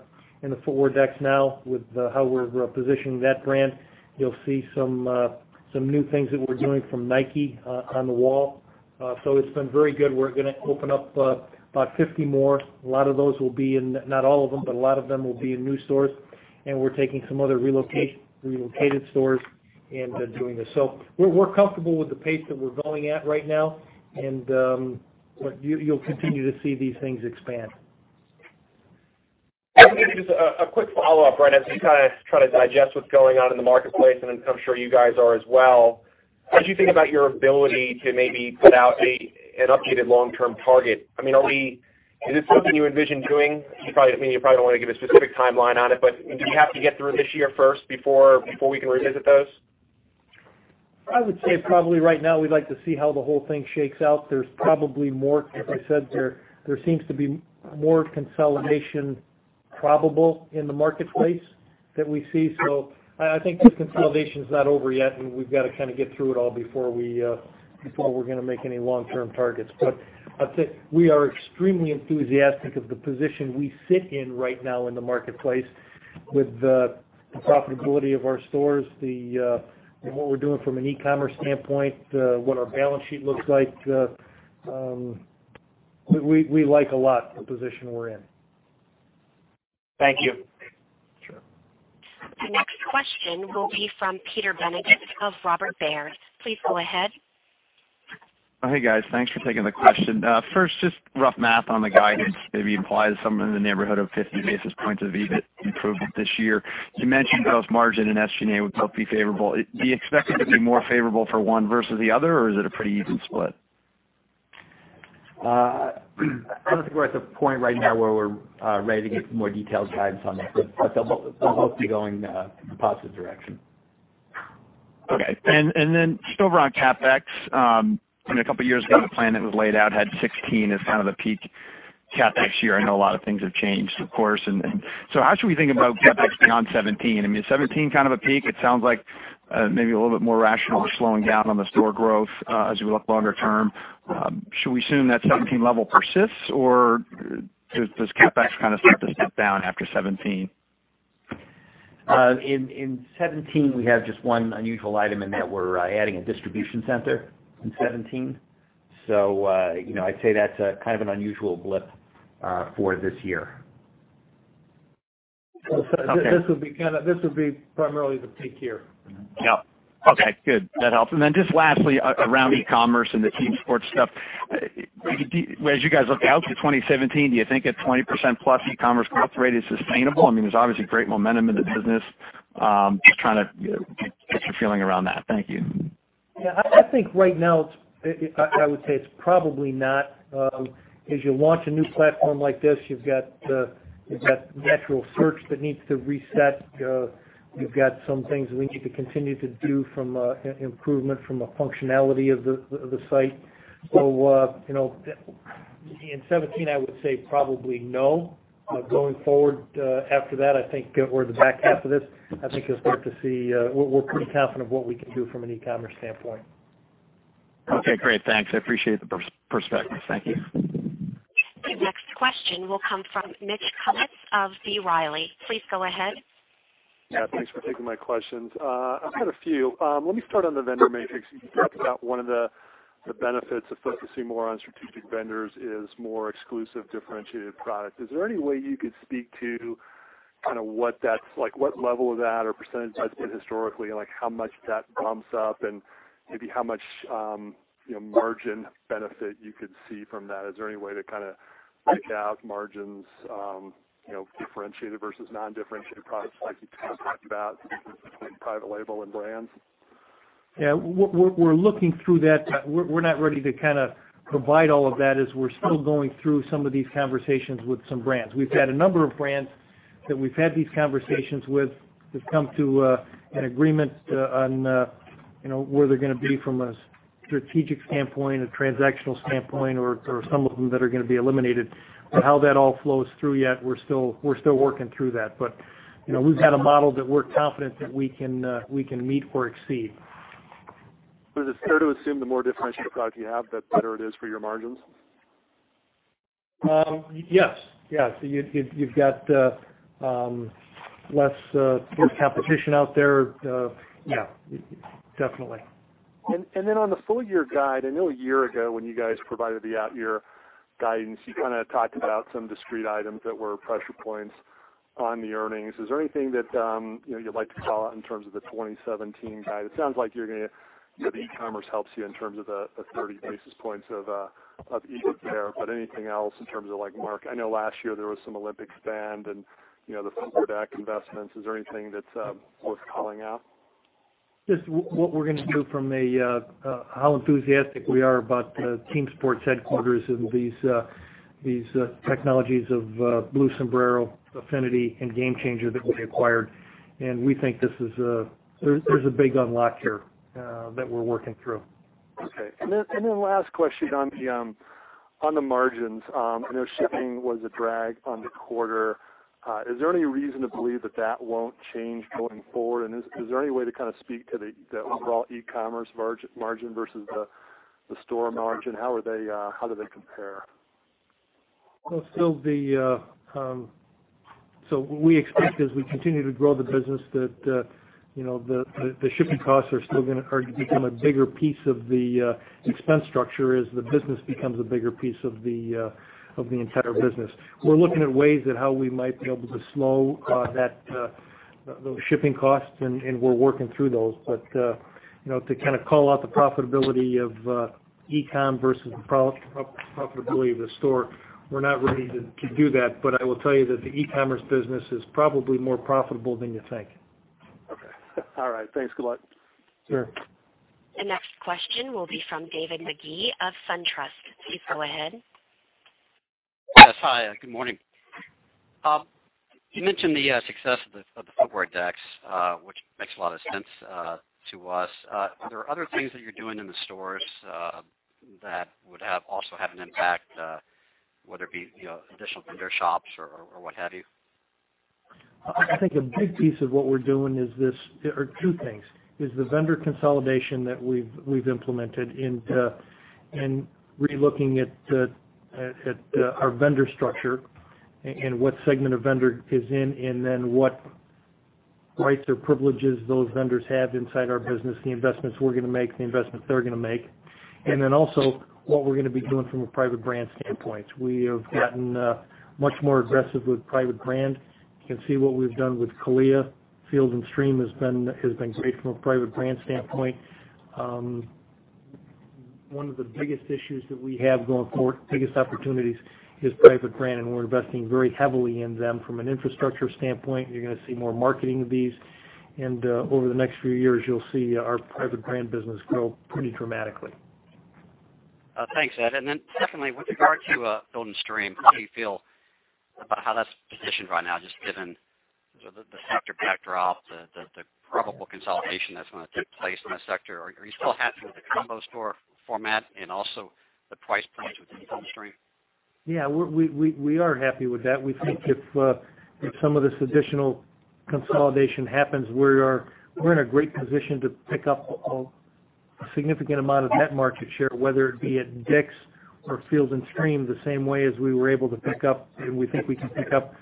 footwear decks now with how we're positioning that brand. You'll see some new things that we're doing from Nike on the wall. It's been very good. We're going to open up about 50 more. Not all of them, but a lot of them will be in new stores, and we're taking some other relocated stores and doing this. We're comfortable with the pace that we're going at right now, and you'll continue to see these things expand. Just a quick follow-up, right? As we try to digest what's going on in the marketplace, and I'm sure you guys are as well. How did you think about your ability to maybe put out an updated long-term target? Is this something you envision doing? You probably don't want to give a specific timeline on it, but do we have to get through this year first before we can revisit those? I would say probably right now we'd like to see how the whole thing shakes out. As I said, there seems to be more consolidation probable in the marketplace that we see. I think the consolidation's not over yet, and we've got to get through it all before we're going to make any long-term targets. I'd say we are extremely enthusiastic of the position we sit in right now in the marketplace with the profitability of our stores, what we're doing from an e-commerce standpoint, what our balance sheet looks like. We like a lot, the position we're in. Thank you. Sure. The next question will be from Peter Benedict of Robert W. Baird. Please go ahead. Hey, guys. Thanks for taking the question. First, just rough math on the guidance. Maybe implies something in the neighborhood of 50 basis points of EBIT improvement this year. You mentioned both margin and SG&A would both be favorable. Do you expect it to be more favorable for one versus the other, or is it a pretty even split? I don't think we're at the point right now where we're ready to give some more detailed guidance on that, but they'll both be going in a positive direction. Just over on CapEx. I know a couple of years ago, the plan that was laid out had 2016 as kind of the peak CapEx year. I know a lot of things have changed, of course. How should we think about CapEx beyond 2017? Is 2017 kind of a peak? It sounds like maybe a little bit more rational slowing down on the store growth as we look longer term. Should we assume that 2017 level persists, or does CapEx kind of start to step down after 2017? In 2017, we have just one unusual item in that we are adding a distribution center in 2017. I would say that is kind of an unusual blip for this year. Okay. This would be primarily the peak year. Yeah. Okay, good. That helps. Just lastly, around e-commerce and the team sports stuff. As you guys look out to 2017, do you think a 20%+ e-commerce growth rate is sustainable? There is obviously great momentum in the business. Just trying to get your feeling around that. Thank you. Yeah. I think right now, I would say it's probably not. As you launch a new platform like this, you've got natural search that needs to reset. You've got some things that we need to continue to do from improvement from a functionality of the site. In 2017, I would say probably no. Going forward after that, I think we're in the back half of this. I think you'll start to see. We're pretty confident of what we can do from an e-commerce standpoint. Okay, great. Thanks. I appreciate the perspective. Thank you. The next question will come from Mitch Cubitt of B. Riley. Please go ahead. Yeah, thanks for taking my questions. I've got a few. Let me start on the vendor matrix. You talked about one of the benefits of focusing more on strategic vendors is more exclusive, differentiated product. Is there any way you could speak to what level of that or percentage has been historically, and how much that bumps up and maybe how much margin benefit you could see from that? Is there any way to kind of break out margins differentiated versus non-differentiated products, like you talked about between private label and brands? We're looking through that. We're not ready to provide all of that as we're still going through some of these conversations with some brands. We've had a number of brands that we've had these conversations with, that's come to an agreement on where they're going to be from a strategic standpoint, a transactional standpoint, or some of them that are going to be eliminated. How that all flows through yet, we're still working through that. We've had a model that we're confident that we can meet or exceed. Is it fair to assume the more differentiated product you have, the better it is for your margins? Yes. You've got less competition out there. Yeah, definitely. On the full-year guide, I know a year ago when you guys provided the out year guidance, you kind of talked about some discrete items that were pressure points on the earnings. Is there anything that you'd like to call out in terms of the 2017 guide? It sounds like the e-commerce helps you in terms of the 30 basis points of EBIT there. Anything else in terms of like I know last year there was some Olympic spend and the Sports Deck investments. Is there anything that's worth calling out? Just what we're going to do from a how enthusiastic we are about Team Sports Headquarters and these technologies of Blue Sombrero, Affinity, and GameChanger that we acquired. We think there's a big unlock here that we're working through. Okay. Then last question on the margins. I know shipping was a drag on the quarter. Is there any reason to believe that that won't change going forward? Is there any way to kind of speak to the overall e-commerce margin versus the store margin? How do they compare? Well, what we expect as we continue to grow the business that the shipping costs are still going to become a bigger piece of the expense structure as the business becomes a bigger piece of the entire business. We're looking at ways at how we might be able to slow those shipping costs, and we're working through those. To call out the profitability of e-com versus the profitability of the store, we're not ready to do that. I will tell you that the e-commerce business is probably more profitable than you think. Okay. All right. Thanks a lot. Sure. The next question will be from David Magee of SunTrust. Please go ahead. Yes. Hi, good morning. You mentioned the success of the footwear decks, which makes a lot of sense to us. Are there other things that you're doing in the stores that would also have an impact, whether it be additional vendor shops or what have you? I think a big piece of what we're doing is two things, is the vendor consolidation that we've implemented and re-looking at our vendor structure and what segment a vendor is in, what rights or privileges those vendors have inside our business, the investments we're going to make, the investments they're going to make. Also what we're going to be doing from a private brand standpoint. We have gotten much more aggressive with private brand. You can see what we've done with CALIA. Field & Stream has been great from a private brand standpoint. One of the biggest issues that we have going forward, biggest opportunities, is private brand, and we're investing very heavily in them from an infrastructure standpoint. You're going to see more marketing of these, over the next few years, you'll see our private brand business grow pretty dramatically. Thanks, Ed. Secondly, with regard to Field & Stream, how do you feel about how that's positioned right now, just given the sector backdrop, the probable consolidation that's going to take place in the sector? Are you still happy with the combo store format and also the price points within Field & Stream? Yeah, we are happy with that. We think if some of this additional consolidation happens, we're in a great position to pick up a significant amount of that market share, whether it be at DICK'S or Field & Stream, the same way as we were able to pick up and we think we can pick up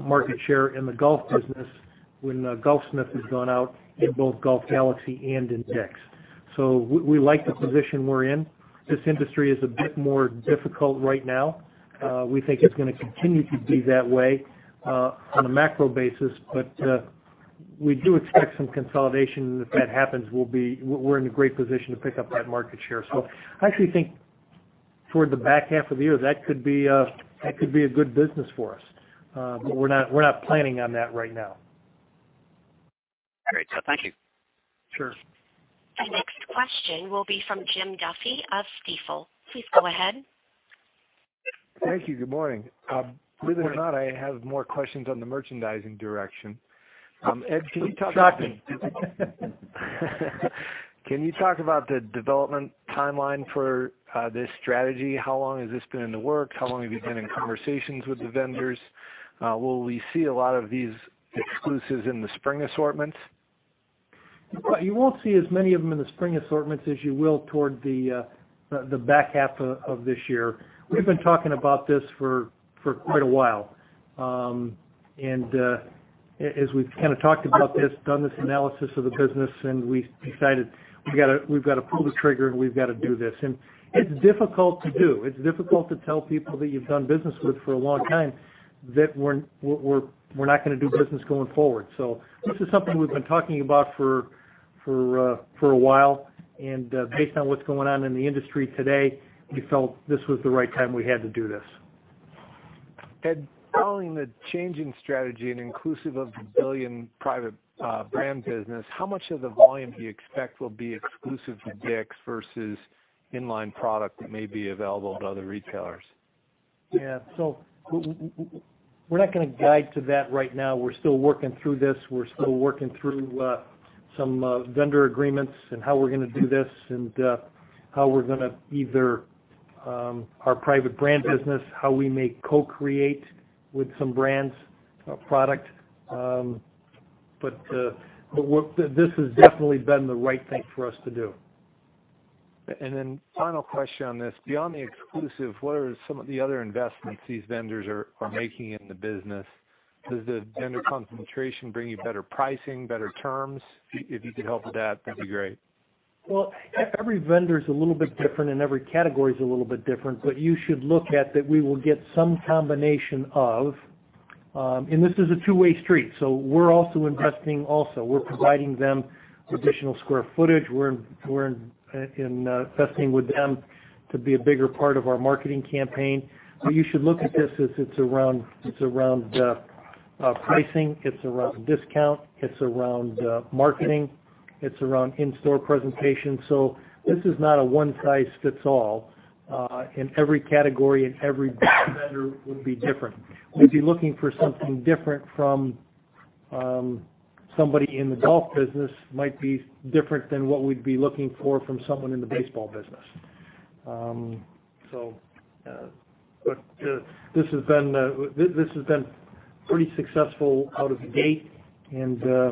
market share in the golf business when Golfsmith has gone out in both Golf Galaxy and in DICK'S. We like the position we're in. This industry is a bit more difficult right now. We think it's going to continue to be that way on a macro basis. We do expect some consolidation, and if that happens, we're in a great position to pick up that market share. I actually think toward the back half of the year, that could be a good business for us. We're not planning on that right now. Great. Thank you. Sure. The next question will be from Jim Duffy of Stifel. Please go ahead. Thank you. Good morning. Believe it or not, I have more questions on the merchandising direction. Ed, can you talk about Shocking. Can you talk about the development timeline for this strategy? How long has this been in the works? How long have you been in conversations with the vendors? Will we see a lot of these exclusives in the spring assortments? You won't see as many of them in the spring assortments as you will toward the back half of this year. We've been talking about this for quite a while. As we've talked about this, done this analysis of the business, and we decided we've got to pull the trigger and we've got to do this. It's difficult to do. It's difficult to tell people that you've done business with for a long time that we're not going to do business going forward. This is something we've been talking about for a while, and based on what's going on in the industry today, we felt this was the right time we had to do this. Ed, following the change in strategy and inclusive of the billion-private brand business, how much of the volume do you expect will be exclusive to DICK'S versus in-line product that may be available to other retailers? Yeah. We're not going to guide to that right now. We're still working through this. We're still working through some vendor agreements and how we're going to do this and how we're going to either our private brand business, how we may co-create with some brands product. This has definitely been the right thing for us to do. Final question on this. Beyond the exclusive, what are some of the other investments these vendors are making in the business? Does the vendor concentration bring you better pricing, better terms? If you could help with that'd be great. Well, every vendor's a little bit different and every category's a little bit different. You should look at that we will get some combination of. This is a two-way street. We're also investing also. We're providing them additional square footage. We're investing with them to be a bigger part of our marketing campaign. You should look at this as it's around pricing, it's around discount, it's around marketing. It's around in-store presentation. This is not a one size fits all. In every category and every vendor would be different. We'd be looking for something different from somebody in the golf business might be different than what we'd be looking for from someone in the baseball business. This has been Pretty successful out of the gate. As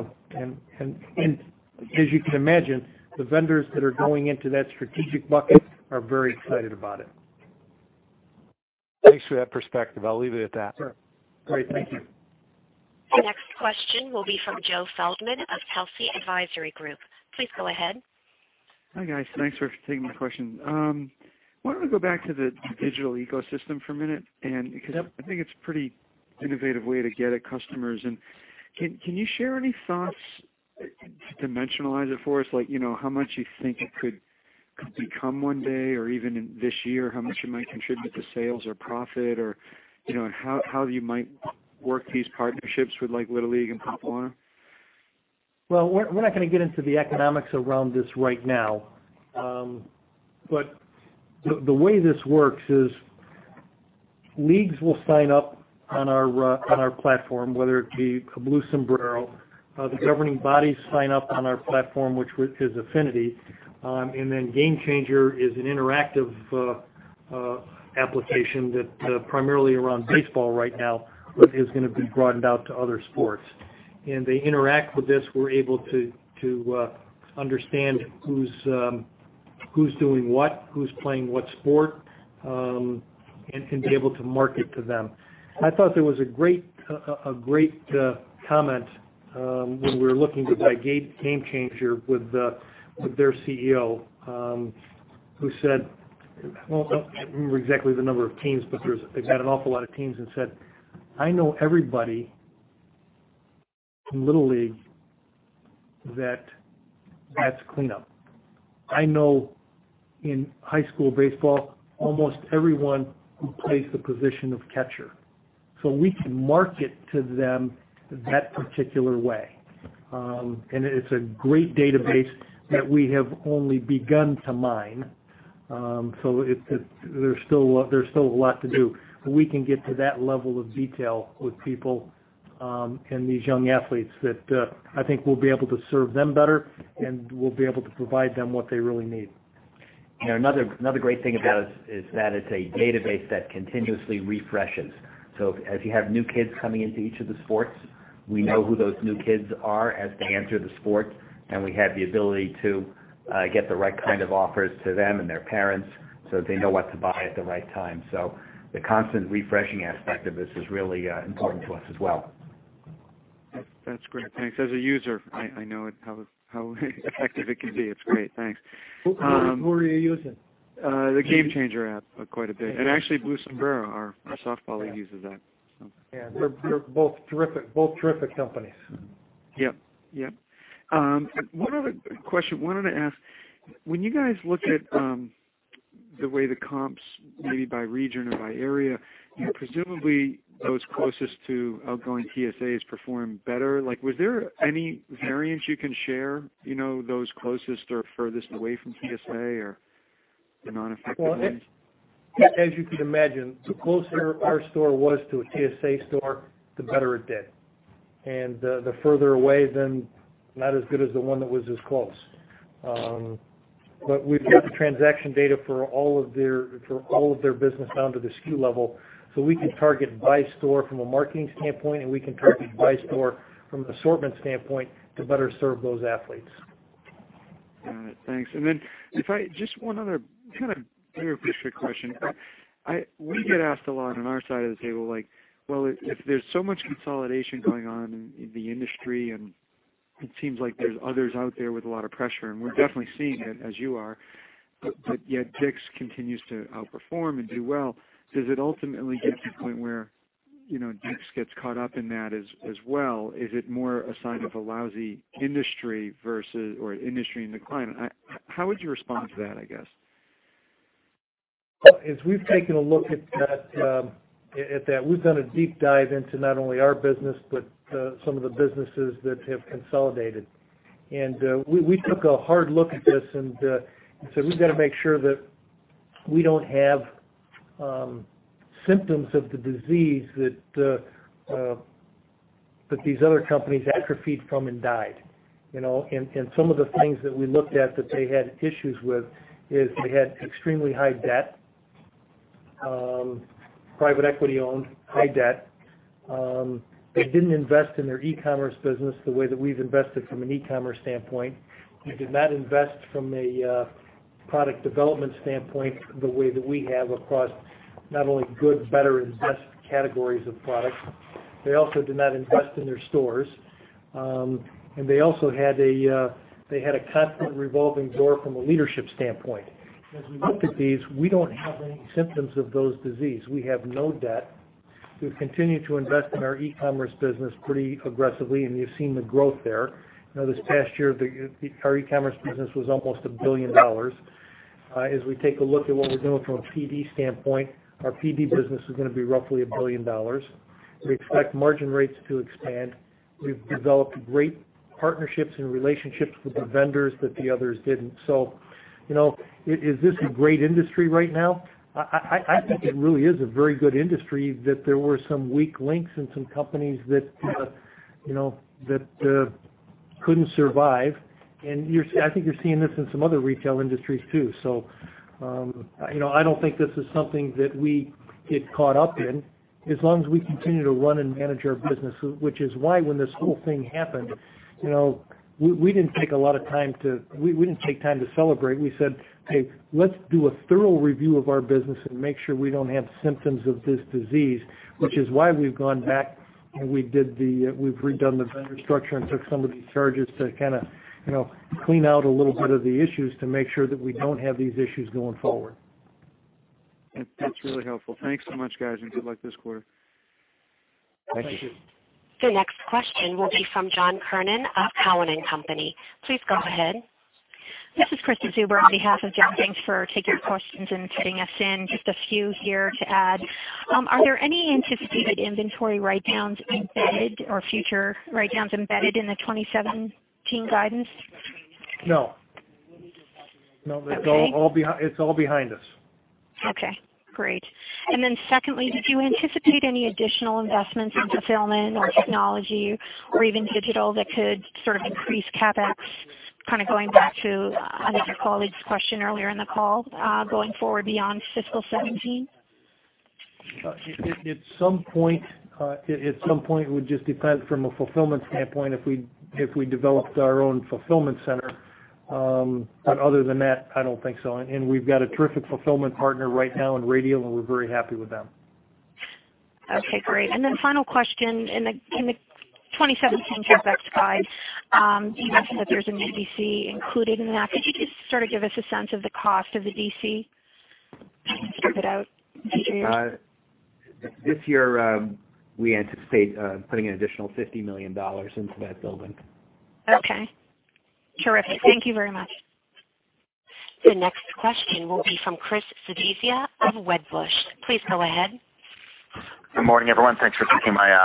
you can imagine, the vendors that are going into that strategic bucket are very excited about it. Thanks for that perspective. I'll leave it at that. Sure. Great, thank you. The next question will be from Joe Feldman of Telsey Advisory Group. Please go ahead. Hi, guys. Thanks for taking my question. I wanted to go back to the digital ecosystem for a minute. Yep I think it's pretty innovative way to get at customers. Can you share any thoughts to dimensionalize it for us? Like, how much you think it could become one day or even in this year, how much it might contribute to sales or profit or how you might work these partnerships with like Little League and Pop Warner? Well, we're not going to get into the economics around this right now. The way this works is leagues will sign up on our platform, whether it be Blue Sombrero. The governing bodies sign up on our platform, which is Affinity. GameChanger is an interactive application that primarily around baseball right now, but is going to be broadened out to other sports. They interact with this. We're able to understand who's doing what, who's playing what sport, and can be able to market to them. I thought there was a great comment, when we were looking to buy GameChanger with their CEO, who said Well, I don't remember exactly the number of teams, but they've got an awful lot of teams and said, "I know everybody in Little League that bats cleanup. I know in high school baseball, almost everyone who plays the position of catcher." We can market to them that particular way. It's a great database that we have only begun to mine. There's still a lot to do. We can get to that level of detail with people, and these young athletes that, I think we'll be able to serve them better, and we'll be able to provide them what they really need. Another great thing about it is that it's a database that continuously refreshes. If you have new kids coming into each of the sports, we know who those new kids are as they enter the sport, and we have the ability to get the right kind of offers to them and their parents so that they know what to buy at the right time. The constant refreshing aspect of this is really important to us as well. That's great. Thanks. As a user, I know how effective it can be. It's great. Thanks. Who are you using? The GameChanger app quite a bit. Actually, Blue Sombrero, our softball uses that. Yeah. They're both terrific companies. Yep. One other question. Wanted to ask, when you guys looked at the way the comps maybe by region or by area, presumably those closest to outgoing TSAs perform better. Was there any variance you can share, those closest or furthest away from TSA or the non-effective ones? As you could imagine, the closer our store was to a TSA store, the better it did. The further away, then not as good as the one that was as close. We've got the transaction data for all of their business down to the SKU level. We can target by store from a marketing standpoint, and we can target by store from an an assortment standpoint to better serve those athletes. Got it. Thanks. Then, just one other kind of bigger picture question. We get asked a lot on our side of the table, like, if there's so much consolidation going on in the industry, and it seems like there's others out there with a lot of pressure, and we're definitely seeing it as you are, but yet DICK'S continues to outperform and do well. Does it ultimately get to the point where DICK'S gets caught up in that as well? Is it more a sign of a lousy industry versus, or industry in decline? How would you respond to that, I guess? As we've taken a look at that, we've done a deep dive into not only our business but some of the businesses that have consolidated. We took a hard look at this and said, "We've got to make sure that we don't have symptoms of the disease that these other companies atrophied from and died." Some of the things that we looked at that they had issues with is they had extremely high debt. Private equity owned high debt. They didn't invest in their e-commerce business the way that we've invested from an e-commerce standpoint. They did not invest from a product development standpoint the way that we have across not only good, better, and best categories of products. They also did not invest in their stores. They also had a constant revolving door from a leadership standpoint. As we look at these, we don't have any symptoms of those disease. We have no debt. We've continued to invest in our e-commerce business pretty aggressively, and you've seen the growth there. This past year, our e-commerce business was almost $1 billion. As we take a look at what we're doing from a PD standpoint, our PD business is going to be roughly $1 billion. We expect margin rates to expand. We've developed great partnerships and relationships with the vendors that the others didn't. Is this a great industry right now? I think it really is a very good industry, that there were some weak links and some companies that couldn't survive. I think you're seeing this in some other retail industries too. I don't think this is something that we get caught up in, as long as we continue to run and manage our business. Which is why when this whole thing happened, we didn't take time to celebrate. We said, "Hey, let's do a thorough review of our business and make sure we don't have symptoms of this disease." Which is why we've gone back and we've redone the vendor structure and took some of these charges to clean out a little bit of the issues to make sure that we don't have these issues going forward. That's really helpful. Thanks so much, guys, and good luck this quarter. Thank you. The next question will be from John Kernan of Cowen and Company. Please go ahead. This is Krista Zuber on behalf of John. Thanks for taking our questions and fitting us in. Just a few here to add. Are there any anticipated inventory write-downs embedded or future write-downs embedded in the 2017 guidance? No. Okay. It's all behind us. Okay, great. Secondly, did you anticipate any additional investments in fulfillment or technology or even digital that could sort of increase CapEx, kind of going back to another colleague's question earlier in the call, going forward beyond fiscal 2017? At some point, it would just depend from a fulfillment standpoint if we developed our own fulfillment center. Other than that, I don't think so. We've got a terrific fulfillment partner right now in Radial, and we're very happy with them. Okay, great. Final question. In the 2017 CapEx guide, you mentioned that there's a new DC included in that. Could you just sort of give us a sense of the cost of the DC, strip it out, if you- This year, we anticipate putting an additional $50 million into that building. Okay. Terrific. Thank you very much. The next question will be from Christopher Svezia of Wedbush. Please go ahead. Good morning, everyone. Thanks for taking my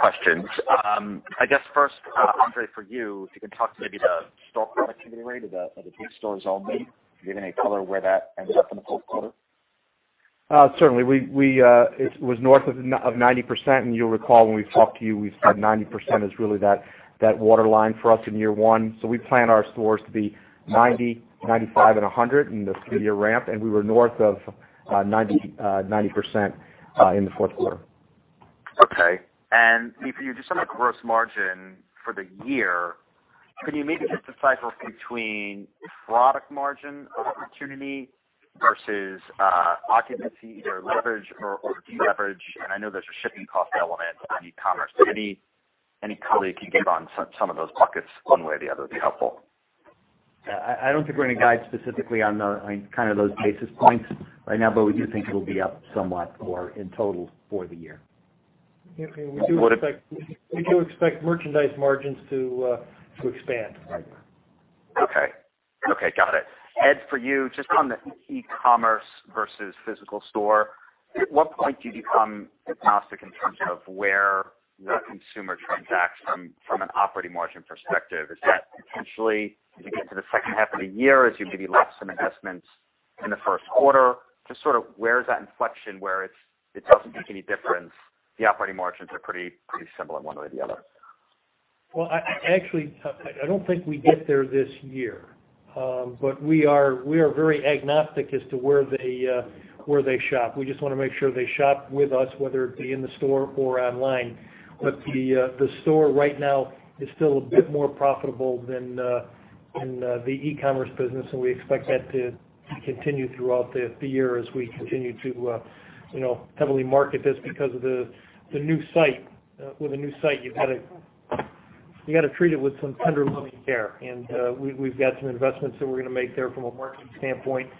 questions. I guess first, André, for you, if you can talk to maybe the store productivity rate of the DICK'S stores only. Can you give any color where that ends up in the fourth quarter? Certainly. It was north of 90%, and you'll recall when we talked to you, we said 90% is really that waterline for us in year one. We plan our stores to be 90, 95, and 100, and this could be a ramp, we were north of 90% in the fourth quarter. Okay. If you just talk about gross margin for the year, can you maybe just decipher between product margin opportunity versus occupancy, either leverage or de-leverage? I know there's a shipping cost element in e-commerce. Any color you can give on some of those buckets one way or the other would be helpful. I don't think we're going to guide specifically on kind of those basis points right now, but we do think it'll be up somewhat more in total for the year. Yeah, we do expect merchandise margins to expand. Okay. Got it. Ed, for you, just on the e-commerce versus physical store, at what point do you become agnostic in terms of where the consumer transacts from an operating margin perspective? Is that potentially as you get to the second half of the year, as you maybe lock some investments in the first quarter? Just sort of where is that inflection where it doesn't make any difference, the operating margins are pretty similar one way or the other? Well, actually, I don't think we get there this year. We are very agnostic as to where they shop. We just want to make sure they shop with us, whether it be in the store or online. The store right now is still a bit more profitable than the e-commerce business, and we expect that to continue throughout the year as we continue to heavily market this because of the new site. With a new site, you got to treat it with some tender loving care. We've got some investments that we're going to make there from a marketing standpoint,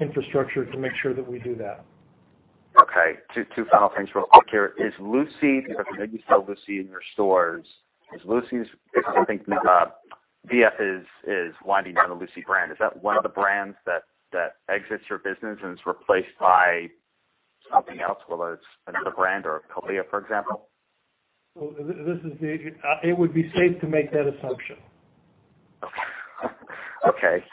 infrastructure, to make sure that we do that. Okay. Two final things real quick here. Is Lucy, because I know you sell Lucy in your stores. Because I think VF is winding down the Lucy brand. Is that one of the brands that exits your business and is replaced by something else, whether it's another brand or CALIA, for example? It would be safe to make that assumption. Okay.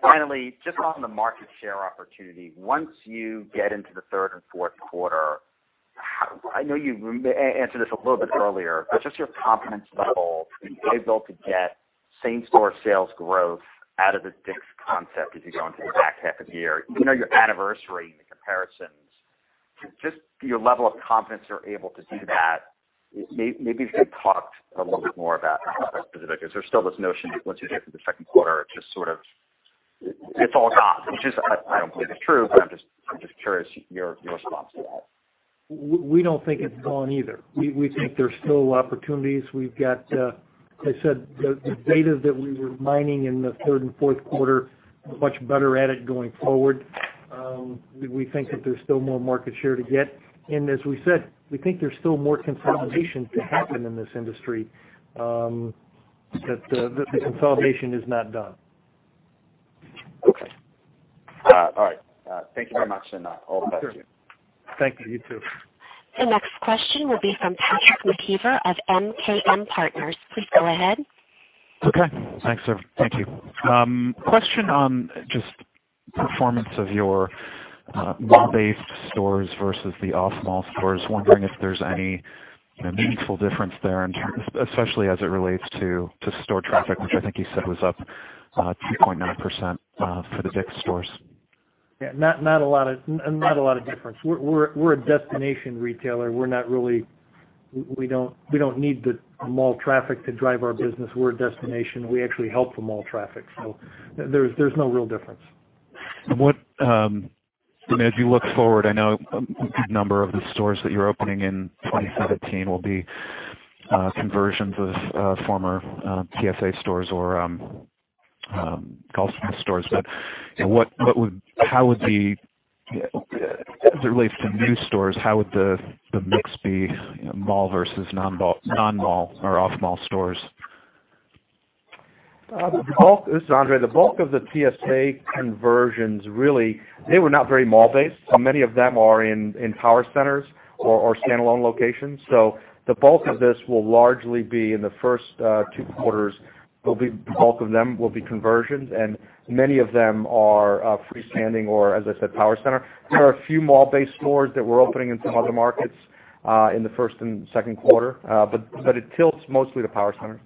Finally, just on the market share opportunity. Once you get into the third and fourth quarter, I know you answered this a little bit earlier, but just your confidence level that you'll be able to get same-store sales growth out of the DICK'S concept as you go into the back half of the year. You know your anniversary and the comparisons. Just your level of confidence you're able to do that. Maybe if you could talk a little bit more about that specific. Is there still this notion that once you get through the second quarter, it's just sort of, it's all gone. Which is, I don't believe it's true, but I'm just curious your response to that. We don't think it's gone either. We think there's still opportunities. We've got, as I said, the data that we were mining in the third and fourth quarter, much better at it going forward. We think that there's still more market share to get. As we said, we think there's still more consolidation to happen in this industry, that the consolidation is not done. Okay. All right. Thank you very much, and all the best to you. Thank you. You too. The next question will be from Patrick McKeever of MKM Partners. Please go ahead. Okay. Thanks. Thank you. Question on just performance of your mall-based stores versus the off-mall stores. Wondering if there's any meaningful difference there, especially as it relates to store traffic, which I think you said was up 2.9% for the DICK'S stores. Yeah. Not a lot of difference. We're a destination retailer. We don't need the mall traffic to drive our business. We're a destination. We actually help the mall traffic. There's no real difference. As you look forward, I know a good number of the stores that you're opening in 2017 will be conversions of former TSA stores or Golfsmith stores. As it relates to new stores, how would the mix be mall versus non-mall or off-mall stores? This is André. The bulk of the TSA conversions, really, they were not very mall-based. Many of them are in power centers or standalone locations. The bulk of this will largely be in the first two quarters, the bulk of them will be conversions, and many of them are freestanding or, as I said, power center. There are a few mall-based stores that we're opening in some other markets in the first and second quarter. It tilts mostly to power center.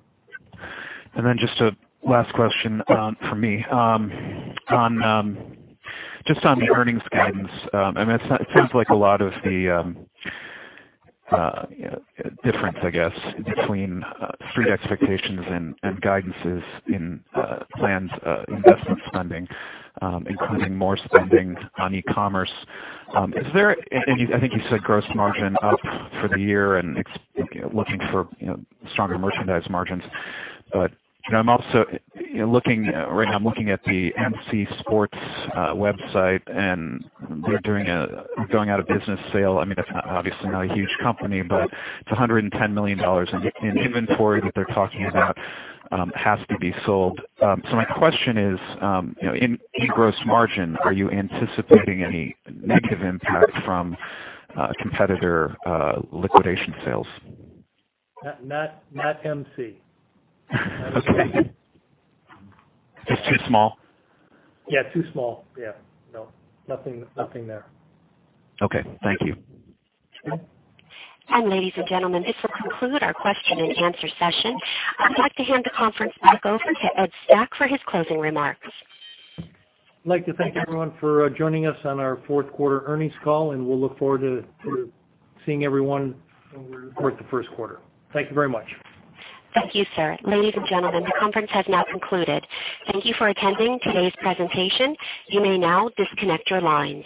Just a last question from me. Just on the earnings guidance, it seems like a lot of the difference, I guess, between street expectations and guidances in planned investment spending, including more spending on e-commerce. I think you said gross margin up for the year and looking for stronger merchandise margins. Right now I'm looking at the MC Sports website, and they're doing a going-out-of-business sale. It's obviously not a huge company, but it's $110 million in inventory that they're talking about has to be sold. My question is, in gross margin, are you anticipating any negative impact from competitor liquidation sales? Not MC. Okay. Just too small? Yeah. Too small. Yeah. No, nothing there. Okay. Thank you. Ladies and gentlemen, this will conclude our question and answer session. I'd like to hand the conference back over to Ed Stack for his closing remarks. I'd like to thank everyone for joining us on our fourth quarter earnings call. We'll look forward to seeing everyone over the course of the first quarter. Thank you very much. Thank you, sir. Ladies and gentlemen, the conference has now concluded. Thank you for attending today's presentation. You may now disconnect your lines.